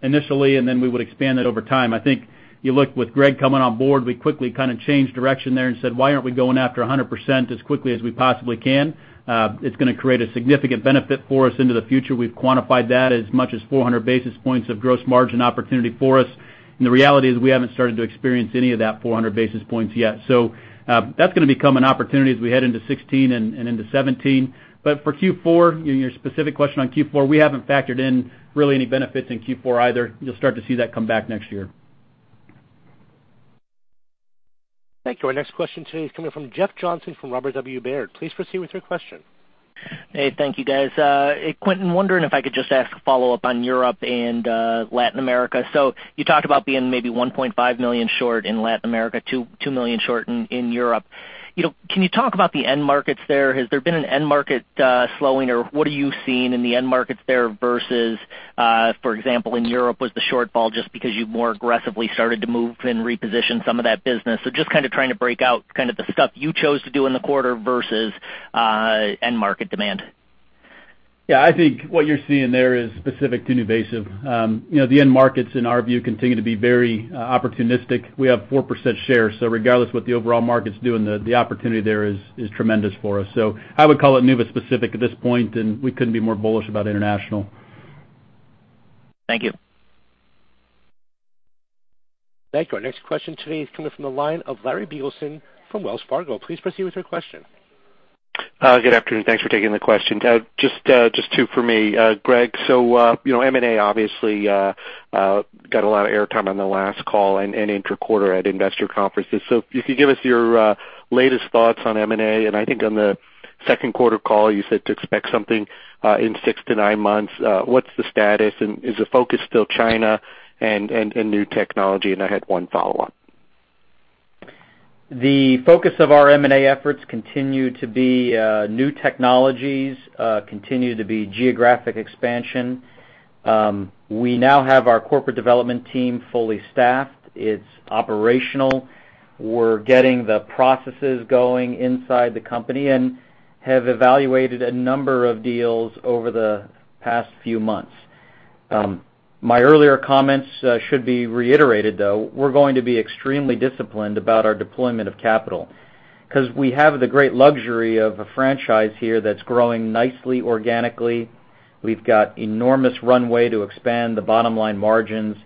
initially, and then we would expand that over time. I think you looked with Greg coming on board, we quickly kind of changed direction there and said, "Why aren't we going after 100% as quickly as we possibly can?" It's going to create a significant benefit for us into the future. We've quantified that as much as 400 basis points of gross margin opportunity for us. The reality is we have not started to experience any of that 400 basis points yet. That is going to become an opportunity as we head into 2016 and into 2017. For Q4, your specific question on Q4, we have not factored in really any benefits in Q4 either. You will start to see that come back next year. Thank you. Our next question today is coming from Jeff Johnson from Robert W. Baird. Please proceed with your question. Hey, thank you, guys. Quentin, wondering if I could just ask a follow-up on Europe and Latin America. You talked about being maybe $1.5 million short in Latin America, $2 million short in Europe. Can you talk about the end markets there? Has there been an end market slowing, or what are you seeing in the end markets there versus, for example, in Europe was the shortfall just because you more aggressively started to move and reposition some of that business? Just kind of trying to break out kind of the stuff you chose to do in the quarter versus end market demand. Yeah. I think what you're seeing there is specific to NuVasive. The end markets, in our view, continue to be very opportunistic. We have 4% share. So regardless of what the overall market's doing, the opportunity there is tremendous for us. I would call it NUVA-specific at this point, and we couldn't be more bullish about international. Thank you. Thank you. Our next question today is coming from the line of Larry Biegelsen from Wells Fargo. Please proceed with your question. Good afternoon. Thanks for taking the question. Just two for me. Greg, M&A obviously got a lot of airtime on the last call and intra-quarter at investor conferences. If you could give us your latest thoughts on M&A. I think on the second quarter call, you said to expect something in 6-9 months. What's the status? Is the focus still China and new technology? I had one follow-up. The focus of our M&A efforts continue to be new technologies, continue to be geographic expansion. We now have our corporate development team fully staffed. It's operational. We're getting the processes going inside the company and have evaluated a number of deals over the past few months. My earlier comments should be reiterated, though. We're going to be extremely disciplined about our deployment of capital because we have the great luxury of a franchise here that's growing nicely, organically. We've got enormous runway to expand the bottom line margins.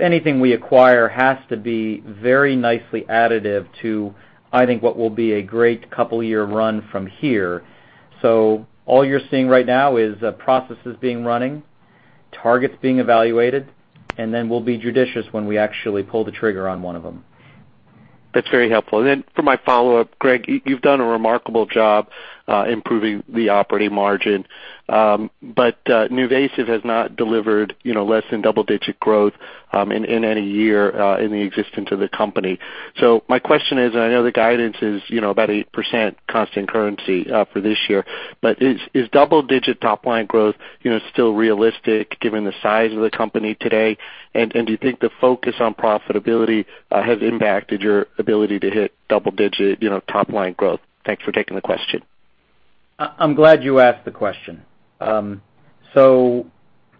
Anything we acquire has to be very nicely additive to, I think, what will be a great couple-year run from here. All you're seeing right now is processes being running, targets being evaluated, and then we'll be judicious when we actually pull the trigger on one of them. That's very helpful. For my follow-up, Greg, you've done a remarkable job improving the operating margin. NuVasive has not delivered less than double-digit growth in any year in the existence of the company. My question is, I know the guidance is about 8% constant currency for this year, but is double-digit top-line growth still realistic given the size of the company today? Do you think the focus on profitability has impacted your ability to hit double-digit top-line growth? Thanks for taking the question. I'm glad you asked the question.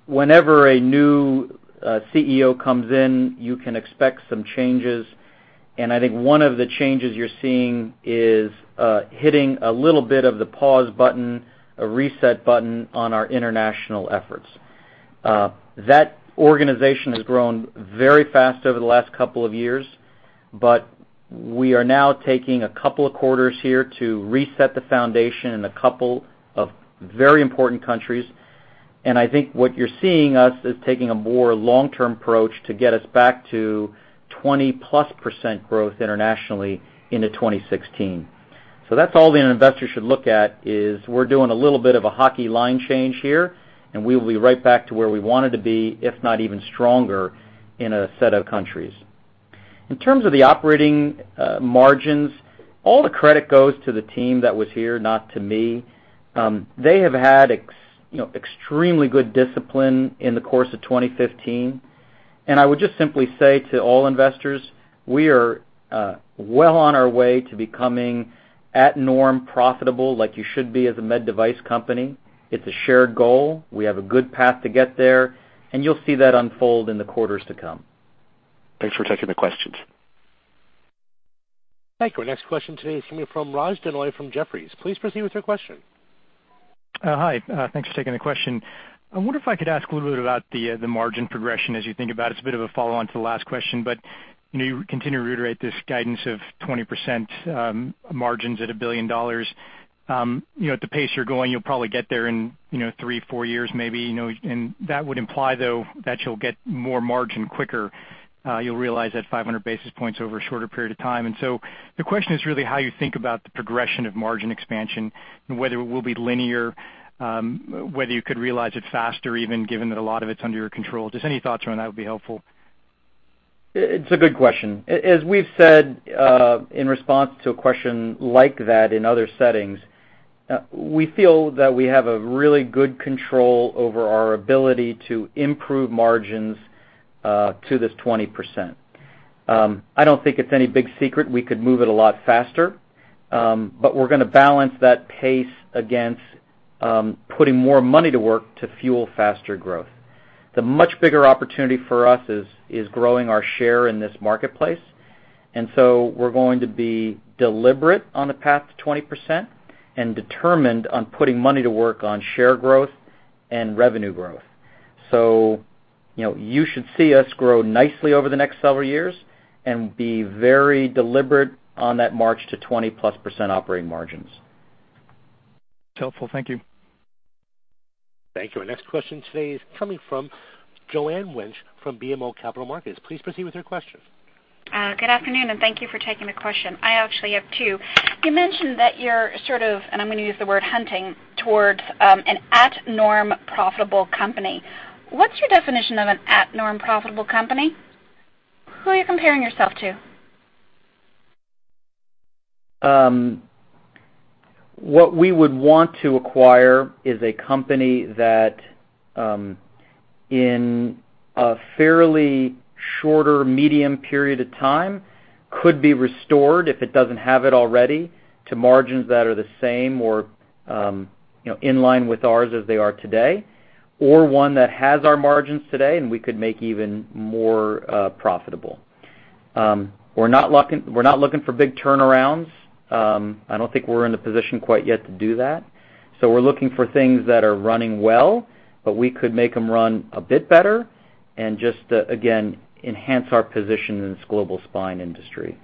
Whenever a new CEO comes in, you can expect some changes. I think one of the changes you're seeing is hitting a little bit of the pause button, a reset button on our international efforts. That organization has grown very fast over the last couple of years, but we are now taking a couple of quarters here to reset the foundation in a couple of very important countries. I think what you're seeing us is taking a more long-term approach to get us back to 20+% growth internationally into 2016. That's all the investors should look at is we're doing a little bit of a hockey line change here, and we will be right back to where we wanted to be, if not even stronger, in a set of countries. In terms of the operating margins, all the credit goes to the team that was here, not to me. They have had extremely good discipline in the course of 2015. I would just simply say to all investors, we are well on our way to becoming at-norm profitable like you should be as a med device company. It's a shared goal. We have a good path to get there. You'll see that unfold in the quarters to come. Thanks for taking the questions. Thank you. Our next question today is coming from Raj Denhoy from Jefferies. Please proceed with your question. Hi. Thanks for taking the question. I wonder if I could ask a little bit about the margin progression as you think about it. It's a bit of a follow-on to the last question, but you continue to reiterate this guidance of 20% margins at a $1 billion. At the pace you're going, you'll probably get there in three, four years maybe. That would imply, though, that you'll get more margin quicker. You'll realize that 500 basis points over a shorter period of time. The question is really how you think about the progression of margin expansion and whether it will be linear, whether you could realize it faster even given that a lot of it's under your control. Just any thoughts around that would be helpful. It's a good question. As we've said in response to a question like that in other settings, we feel that we have a really good control over our ability to improve margins to this 20%. I don't think it's any big secret we could move it a lot faster, but we're going to balance that pace against putting more money to work to fuel faster growth. The much bigger opportunity for us is growing our share in this marketplace. We are going to be deliberate on a path to 20% and determined on putting money to work on share growth and revenue growth. You should see us grow nicely over the next several years and be very deliberate on that march to 20%+ operating margins. That's helpful. Thank you. Thank you. Our next question today is coming from Joanne Wuensch from BMO Capital Markets. Please proceed with your question. Good afternoon, and thank you for taking the question. I actually have two. You mentioned that you're sort of, and I'm going to use the word hunting, towards an at-norm profitable company. What's your definition of an at-norm profitable company? Who are you comparing yourself to? What we would want to acquire is a company that in a fairly shorter medium period of time could be restored, if it does not have it already, to margins that are the same or in line with ours as they are today, or one that has our margins today and we could make even more profitable. We are not looking for big turnarounds. I do not think we are in the position quite yet to do that. We are looking for things that are running well, but we could make them run a bit better and just, again, enhance our position in this global spine industry.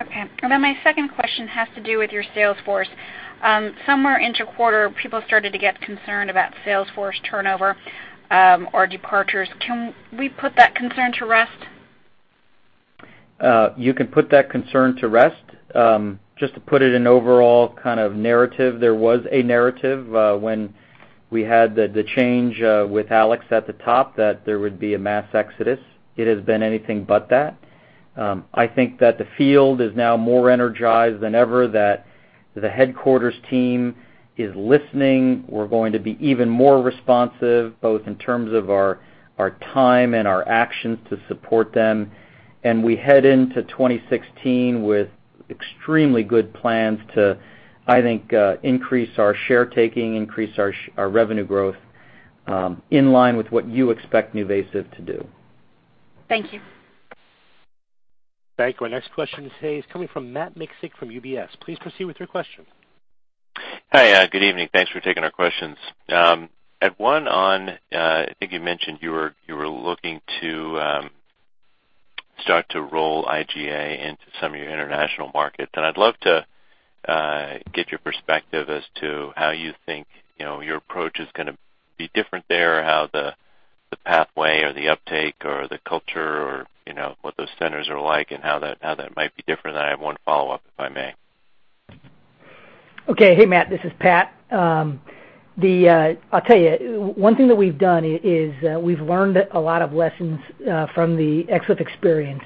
Okay. And then my second question has to do with your sales force. Somewhere intra-quarter, people started to get concerned about sales force turnover or departures. Can we put that concern to rest? You can put that concern to rest. Just to put it in overall kind of narrative, there was a narrative when we had the change with Alex at the top that there would be a mass exodus. It has been anything but that. I think that the field is now more energized than ever, that the headquarters team is listening. We are going to be even more responsive, both in terms of our time and our actions to support them. We head into 2016 with extremely good plans to, I think, increase our share taking, increase our revenue growth in line with what you expect NuVasive to do. Thank you. Thank you. Our next question today is coming from Matt Miksic from UBS. Please proceed with your question. Hi. Good evening. Thanks for taking our questions. At one on, I think you mentioned you were looking to start to roll iGA into some of your international markets. I'd love to get your perspective as to how you think your approach is going to be different there, how the pathway or the uptake or the culture or what those centers are like and how that might be different. I have one follow-up, if I may. Okay. Hey, Matt. This is Pat. I'll tell you, one thing that we've done is we've learned a lot of lessons from the XLIF experience.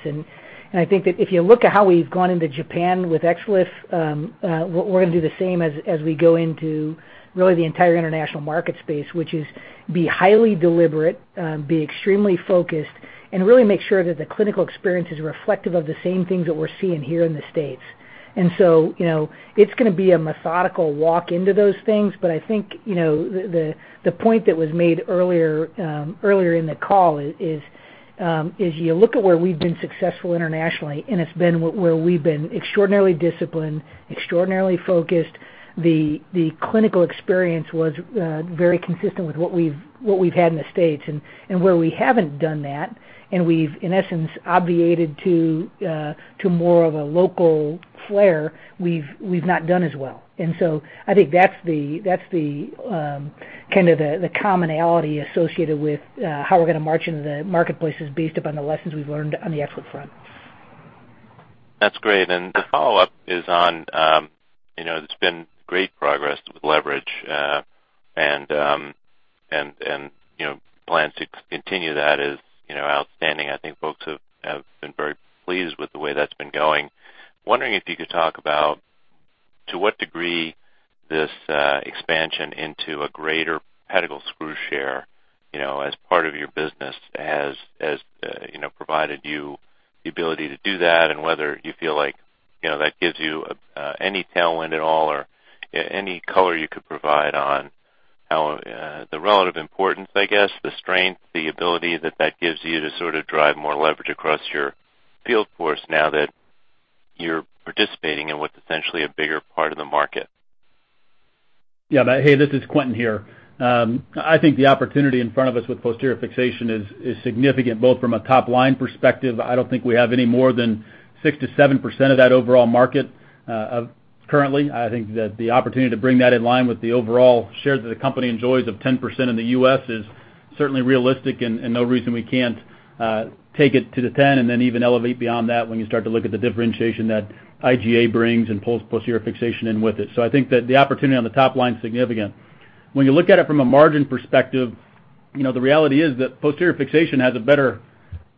I think that if you look at how we've gone into Japan with XLIF, we're going to do the same as we go into really the entire international market space, which is be highly deliberate, be extremely focused, and really make sure that the clinical experience is reflective of the same things that we're seeing here in the States. It's going to be a methodical walk into those things. I think the point that was made earlier in the call is you look at where we've been successful internationally, and it's been where we've been extraordinarily disciplined, extraordinarily focused. The clinical experience was very consistent with what we've had in the States. Where we have not done that and we have, in essence, obviated to more of a local flare, we have not done as well. I think that is the kind of the commonality associated with how we are going to march into the marketplace, based upon the lessons we have learned on the XLIF front. That's great. The follow-up is on there's been great progress with leverage, and plans to continue that is outstanding. I think folks have been very pleased with the way that's been going. Wondering if you could talk about to what degree this expansion into a greater pedicle screw share as part of your business has provided you the ability to do that and whether you feel like that gives you any tailwind at all or any color you could provide on the relative importance, I guess, the strength, the ability that that gives you to sort of drive more leverage across your field force now that you're participating in what's essentially a bigger part of the market. Yeah. Hey, this is Quentin here. I think the opportunity in front of us with posterior fixation is significant both from a top-line perspective. I do not think we have any more than 6%-7% of that overall market currently. I think that the opportunity to bring that in line with the overall share that the company enjoys of 10% in the U.S. is certainly realistic, and no reason we cannot take it to the 10 and then even elevate beyond that when you start to look at the differentiation that iGA brings and pulls posterior fixation in with it. I think that the opportunity on the top line is significant. When you look at it from a margin perspective, the reality is that posterior fixation has a better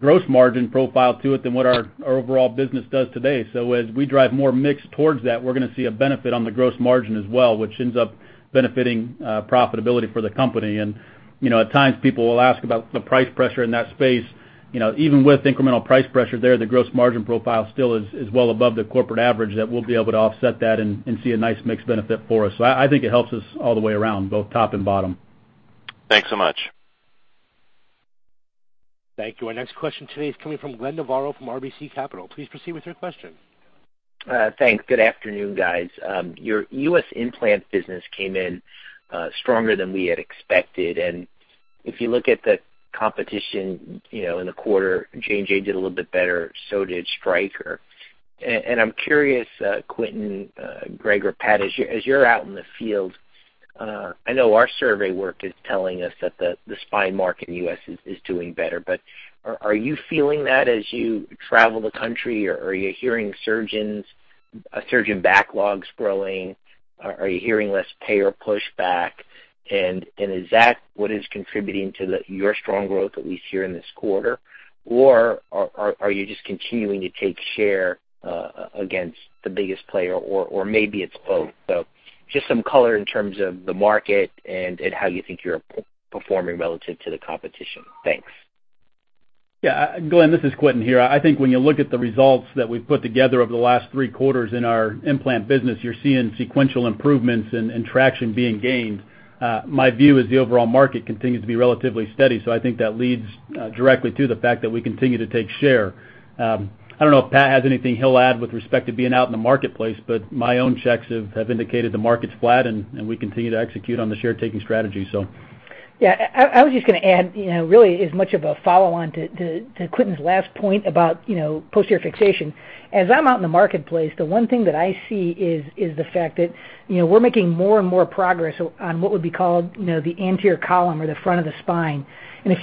gross margin profile to it than what our overall business does today. As we drive more mix towards that, we're going to see a benefit on the gross margin as well, which ends up benefiting profitability for the company. At times, people will ask about the price pressure in that space. Even with incremental price pressure there, the gross margin profile still is well above the corporate average that we'll be able to offset that and see a nice mixed benefit for us. I think it helps us all the way around, both top and bottom. Thanks so much. Thank you. Our next question today is coming from Glenn Novarro from RBC Capital. Please proceed with your question. Thanks. Good afternoon, guys. Your U.S. implant business came in stronger than we had expected. If you look at the competition in the quarter, J&J did a little bit better. Stryker did as well. I'm curious, Quentin, Greg, or Pat, as you're out in the field, I know our survey work is telling us that the spine market in the US is doing better. Are you feeling that as you travel the country? Are you hearing surgeons, surgeon backlogs growing? Are you hearing less payer pushback? Is that what is contributing to your strong growth, at least here in this quarter? Are you just continuing to take share against the biggest player, or maybe it's both? Just some color in terms of the market and how you think you're performing relative to the competition. Thanks. Yeah. Glenn, this is Quentin here. I think when you look at the results that we've put together over the last three quarters in our implant business, you're seeing sequential improvements and traction being gained. My view is the overall market continues to be relatively steady. I think that leads directly to the fact that we continue to take share. I don't know if Pat has anything he'll add with respect to being out in the marketplace, but my own checks have indicated the market's flat, and we continue to execute on the share-taking strategy, so. Yeah. I was just going to add really as much of a follow-on to Quentin's last point about posterior fixation. As I'm out in the marketplace, the one thing that I see is the fact that we're making more and more progress on what would be called the anterior column or the front of the spine. If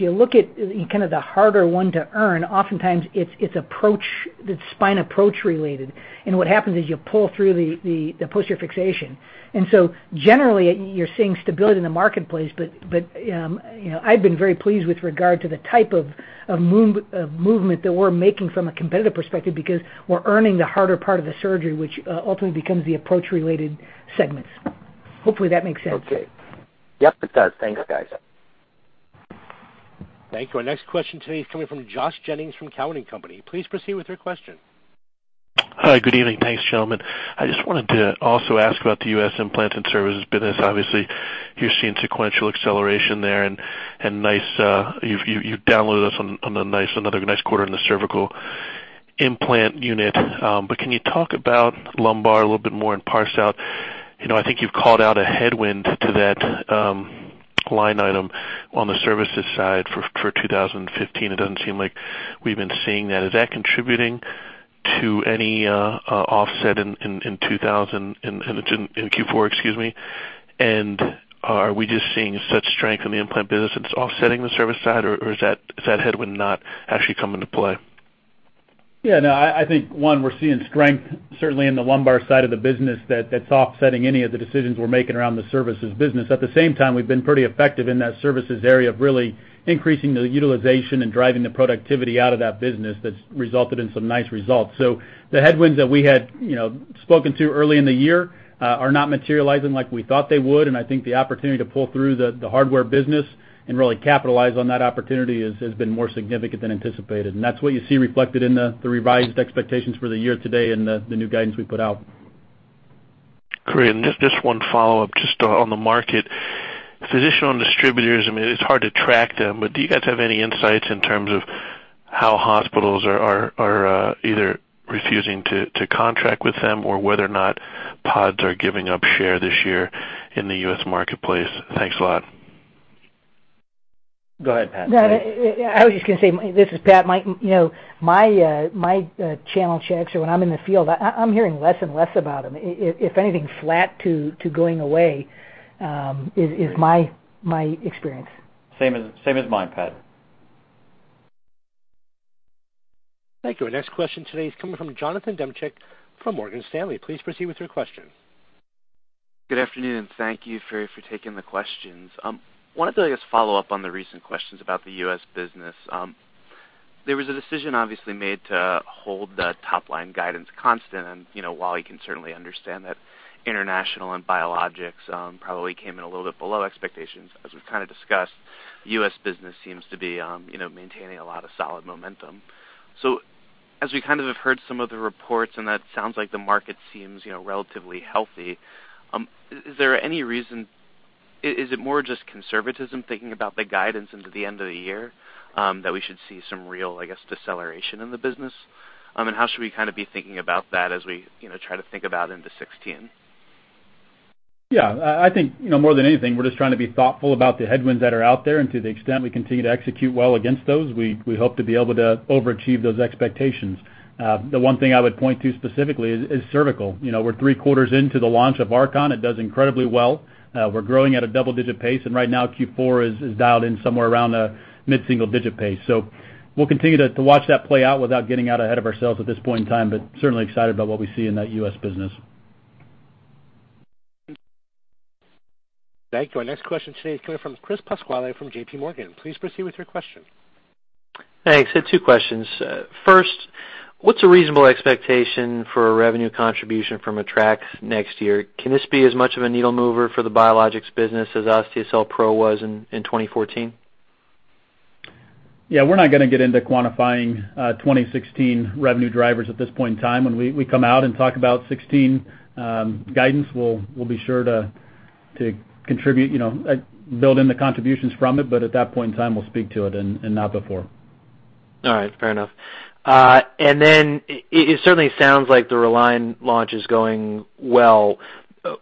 you look at kind of the harder one to earn, oftentimes it's spine approach-related. What happens is you pull through the posterior fixation. Generally, you're seeing stability in the marketplace, but I've been very pleased with regard to the type of movement that we're making from a competitive perspective because we're earning the harder part of the surgery, which ultimately becomes the approach-related segments. Hopefully, that makes sense. Okay. Yep, it does. Thanks, guys. Thank you. Our next question today is coming from Josh Jennings from Cowen & Company. Please proceed with your question. Hi. Good evening. Thanks, gentlemen. I just wanted to also ask about the U.S. Implant and Services business. Obviously, you're seeing sequential acceleration there, and you've downloaded us on another nice quarter in the cervical implant unit. Can you talk about lumbar a little bit more and parse out? I think you've called out a headwind to that line item on the services side for 2015. It doesn't seem like we've been seeing that. Is that contributing to any offset in Q4, excuse me? Are we just seeing such strength in the implant business that it's offsetting the service side, or is that headwind not actually coming into play? Yeah. No, I think, one, we're seeing strength certainly in the lumbar side of the business that's offsetting any of the decisions we're making around the services business. At the same time, we've been pretty effective in that services area of really increasing the utilization and driving the productivity out of that business that's resulted in some nice results. The headwinds that we had spoken to early in the year are not materializing like we thought they would. I think the opportunity to pull through the hardware business and really capitalize on that opportunity has been more significant than anticipated. That's what you see reflected in the revised expectations for the year today and the new guidance we put out. Great. Just one follow-up just on the market. Physician distributors, I mean, it's hard to track them, but do you guys have any insights in terms of how hospitals are either refusing to contract with them or whether or not PODs are giving up share this year in the U.S. marketplace? Thanks a lot. Go ahead, Pat. I was just going to say this is Pat. My channel checks or when I'm in the field, I'm hearing less and less about them. If anything, flat to going away is my experience. Same as mine, Pat. Thank you. Our next question today is coming from Jonathan Demchik from Morgan Stanley. Please proceed with your question. Good afternoon, and thank you for taking the questions. I wanted to, I guess, follow up on the recent questions about the U.S. business. There was a decision, obviously, made to hold the top-line guidance constant. While you can certainly understand that international and biologics probably came in a little bit below expectations, as we've kind of discussed, the U.S. business seems to be maintaining a lot of solid momentum. As we kind of have heard some of the reports, and that sounds like the market seems relatively healthy, is there any reason? Is it more just conservatism thinking about the guidance into the end of the year that we should see some real, I guess, deceleration in the business? How should we kind of be thinking about that as we try to think about into 2016? Yeah. I think more than anything, we're just trying to be thoughtful about the headwinds that are out there. To the extent we continue to execute well against those, we hope to be able to overachieve those expectations. The one thing I would point to specifically is cervical. We're three quarters into the launch of Archon. It does incredibly well. We're growing at a double-digit pace. Right now, Q4 is dialed in somewhere around a mid-single-digit pace. We will continue to watch that play out without getting out ahead of ourselves at this point in time, but certainly excited about what we see in that U.S. business. Thank you. Our next question today is coming from Chris Pasquale from JPMorgan. Please proceed with your question. Hey. I said two questions. First, what's a reasonable expectation for a revenue contribution from AttraX next year? Can this be as much of a needle-mover for the Biologics business as Osteocel Pro was in 2014? Yeah. We're not going to get into quantifying 2016 revenue drivers at this point in time. When we come out and talk about 2016 guidance, we'll be sure to contribute, build in the contributions from it. At that point in time, we'll speak to it and not before. All right. Fair enough. It certainly sounds like the ReLine launch is going well.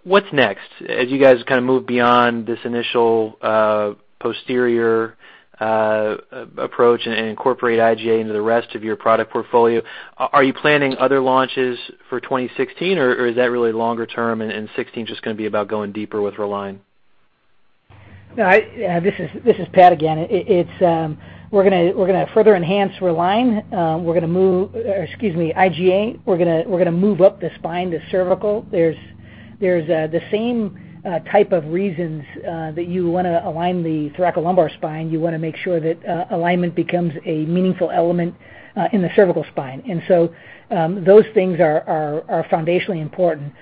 What's next as you guys kind of move beyond this initial posterior approach and incorporate iGA into the rest of your product portfolio? Are you planning other launches for 2016, or is that really longer term and 2016 just going to be about going deeper with ReLine? No. This is Pat again. We're going to further enhance ReLine. We're going to move, excuse me, iGA. We're going to move up the spine, the cervical. There are the same type of reasons that you want to align the thoracolumbar spine. You want to make sure that alignment becomes a meaningful element in the cervical spine. Those things are foundationally important.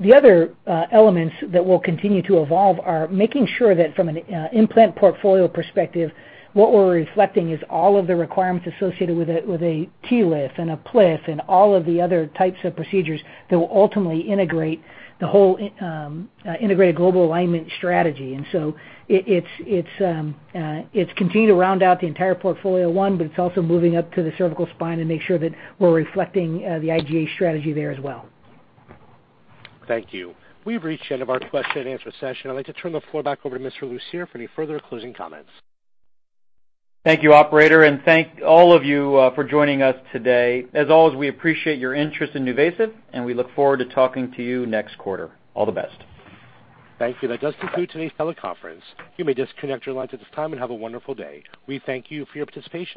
The other elements that will continue to evolve are making sure that from an implant portfolio perspective, what we're reflecting is all of the requirements associated with a TLIF and a PLIF and all of the other types of procedures that will ultimately integrate the whole integrated global alignment strategy. It is continuing to round out the entire portfolio, one, but it is also moving up to the cervical spine to make sure that we're reflecting the iGA strategy there as well. Thank you. We've reached the end of our question-and-answer session. I'd like to turn the floor back over to Mr. Lucier for any further closing comments. Thank you, operator. Thank all of you for joining us today. As always, we appreciate your interest in NuVasive, and we look forward to talking to you next quarter. All the best. Thank you. That does conclude today's teleconference. You may disconnect your lines at this time and have a wonderful day. We thank you for your participation.